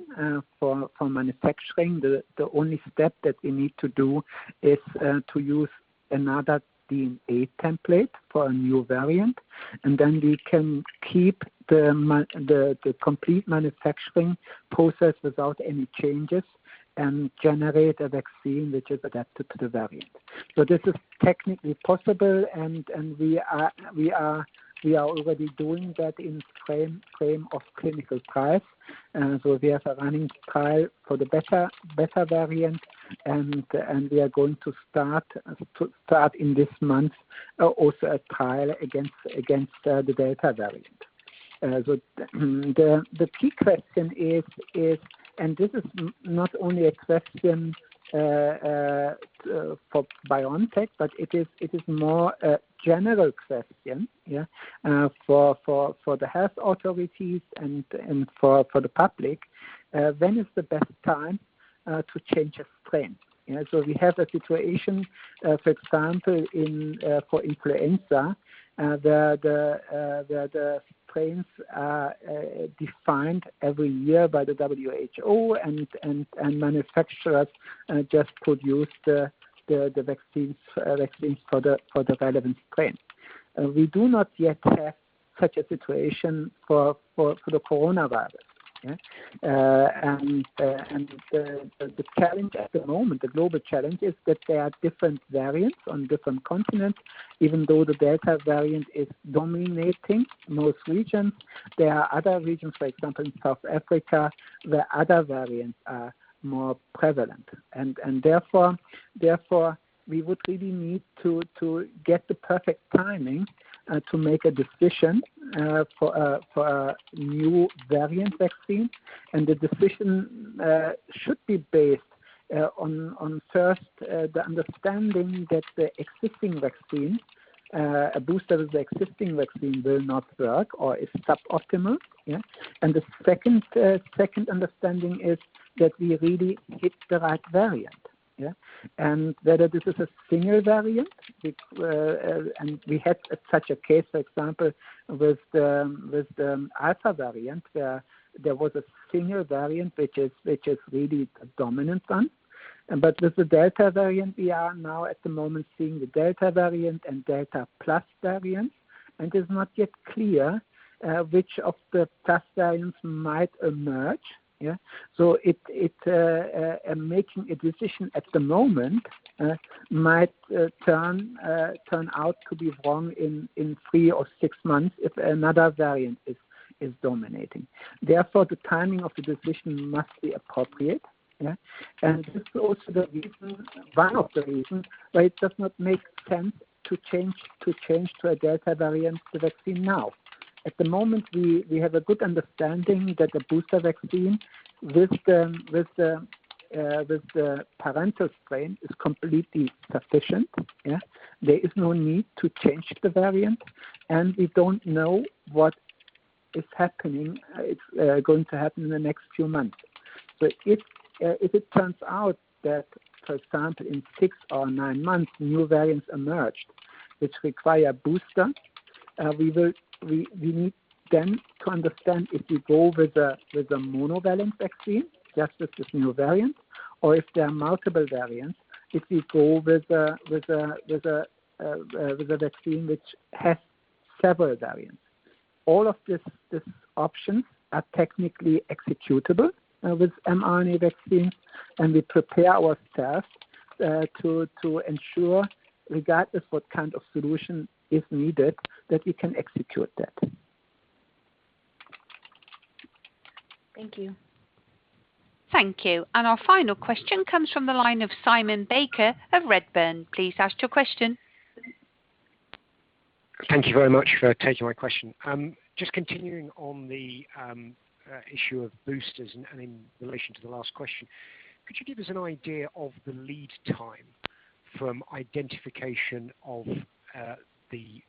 for manufacturing. The only step that we need to do is to use another DNA template for a new variant, and then we can keep the complete manufacturing process without any changes and generate a vaccine which is adapted to the variant. This is technically possible, and we are already doing that in frame of clinical trials. We have a running trial for the Beta variant, and we are going to start in this month also a trial against the Delta variant. The key question is, and this is not only a question for BioNTech, but it is more a general question for the health authorities and for the public, when is the best time to change a strain? We have a situation, for example, for influenza, where the strains are defined every year by the WHO and manufacturers just produce the vaccines for the relevant strains. We do not yet have such a situation for the coronavirus. Okay? The challenge at the moment, the global challenge, is that there are different variants on different continents. Even though the Delta variant is dominating most regions, there are other regions, for example, in South Africa, where other variants are more prevalent. Therefore, we would really need to get the perfect timing to make a decision for a new variant vaccine. The decision should be based on first, the understanding that the existing vaccine, a booster of the existing vaccine, will not work or is suboptimal. Yeah? The second understanding is that we really hit the right variant. Yeah? Whether this is a singular variant, and we had such a case, for example, with the Alpha variant, where there was a singular variant, which is really the dominant one. With the Delta variant, we are now at the moment seeing the Delta variant and Delta plus variant, and it's not yet clear which of the plus variants might emerge. Making a decision at the moment might turn out to be wrong in three or six months if another variant is dominating. Therefore, the timing of the decision must be appropriate. This is also one of the reasons why it does not make sense to change to a Delta variant, the vaccine now. At the moment, we have a good understanding that the booster vaccine with the parental strain is completely sufficient. There is no need to change the variant, and we don't know what is going to happen in the next few months. If it turns out that, for example, in six or nine months, new variants emerged, which require booster, we need then to understand if we go with a monovalent vaccine just with this new variant, or if there are multiple variants, if we go with a vaccine which has several variants. All of these options are technically executable with mRNA vaccine, and we prepare ourselves to ensure, regardless what kind of solution is needed, that we can execute that. Thank you. Thank you. Our final question comes from the line of Simon Baker of Redburn. Please ask your question. Thank you very much for taking my question. Just continuing on the issue of boosters and in relation to the last question, could you give us an idea of the lead time from identification of the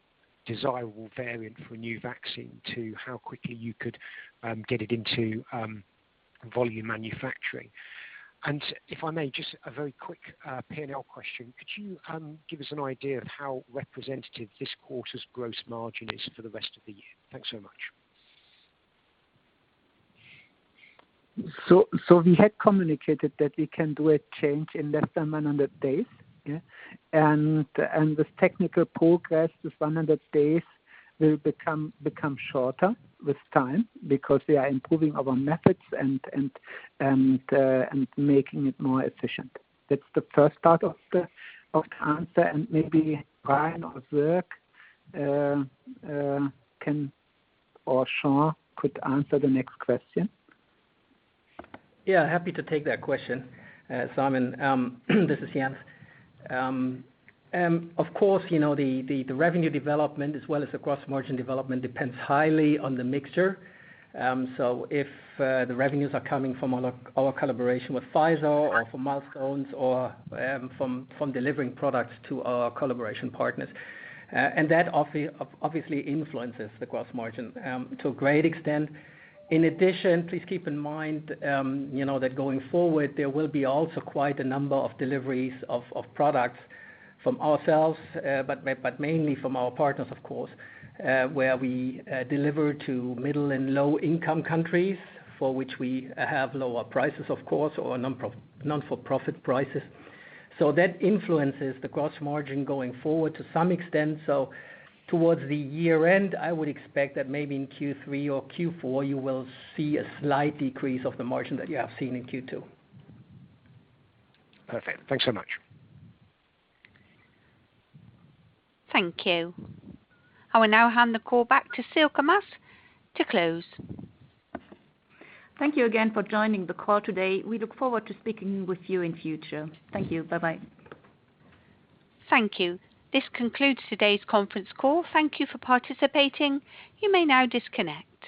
desirable variant for a new vaccine to how quickly you could get it into volume manufacturing? If I may, just a very quick P&L question. Could you give us an idea of how representative this quarter's gross margin is for the rest of the year? Thanks so much. We had communicated that we can do a change in less than 100 days. Yeah. This technical progress, this 100 days, will become shorter with time because we are improving our methods and making it more efficient. That's the first part of the answer, and maybe Ryan Richardson or Sierk or Sean could answer the next question. Yeah, happy to take that question, Simon. This is Jens. Of course, the revenue development as well as the gross margin development depends highly on the mixture. If the revenues are coming from our collaboration with Pfizer or from milestones or from delivering products to our collaboration partners. That obviously influences the gross margin to a great extent. In addition, please keep in mind that going forward, there will be also quite a number of deliveries of products from ourselves, but mainly from our partners, of course, where we deliver to middle and low-income countries for which we have lower prices, of course, or non-for-profit prices. That influences the gross margin going forward to some extent. Towards the year-end, I would expect that maybe in Q3 or Q4, you will see a slight decrease of the margin that you have seen in Q2. Perfect. Thanks so much. Thank you. I will now hand the call back to Sylke Maas to close. Thank you again for joining the call today. We look forward to speaking with you in future. Thank you. Bye-bye. Thank you. This concludes today's conference call. Thank you for participating. You may now disconnect.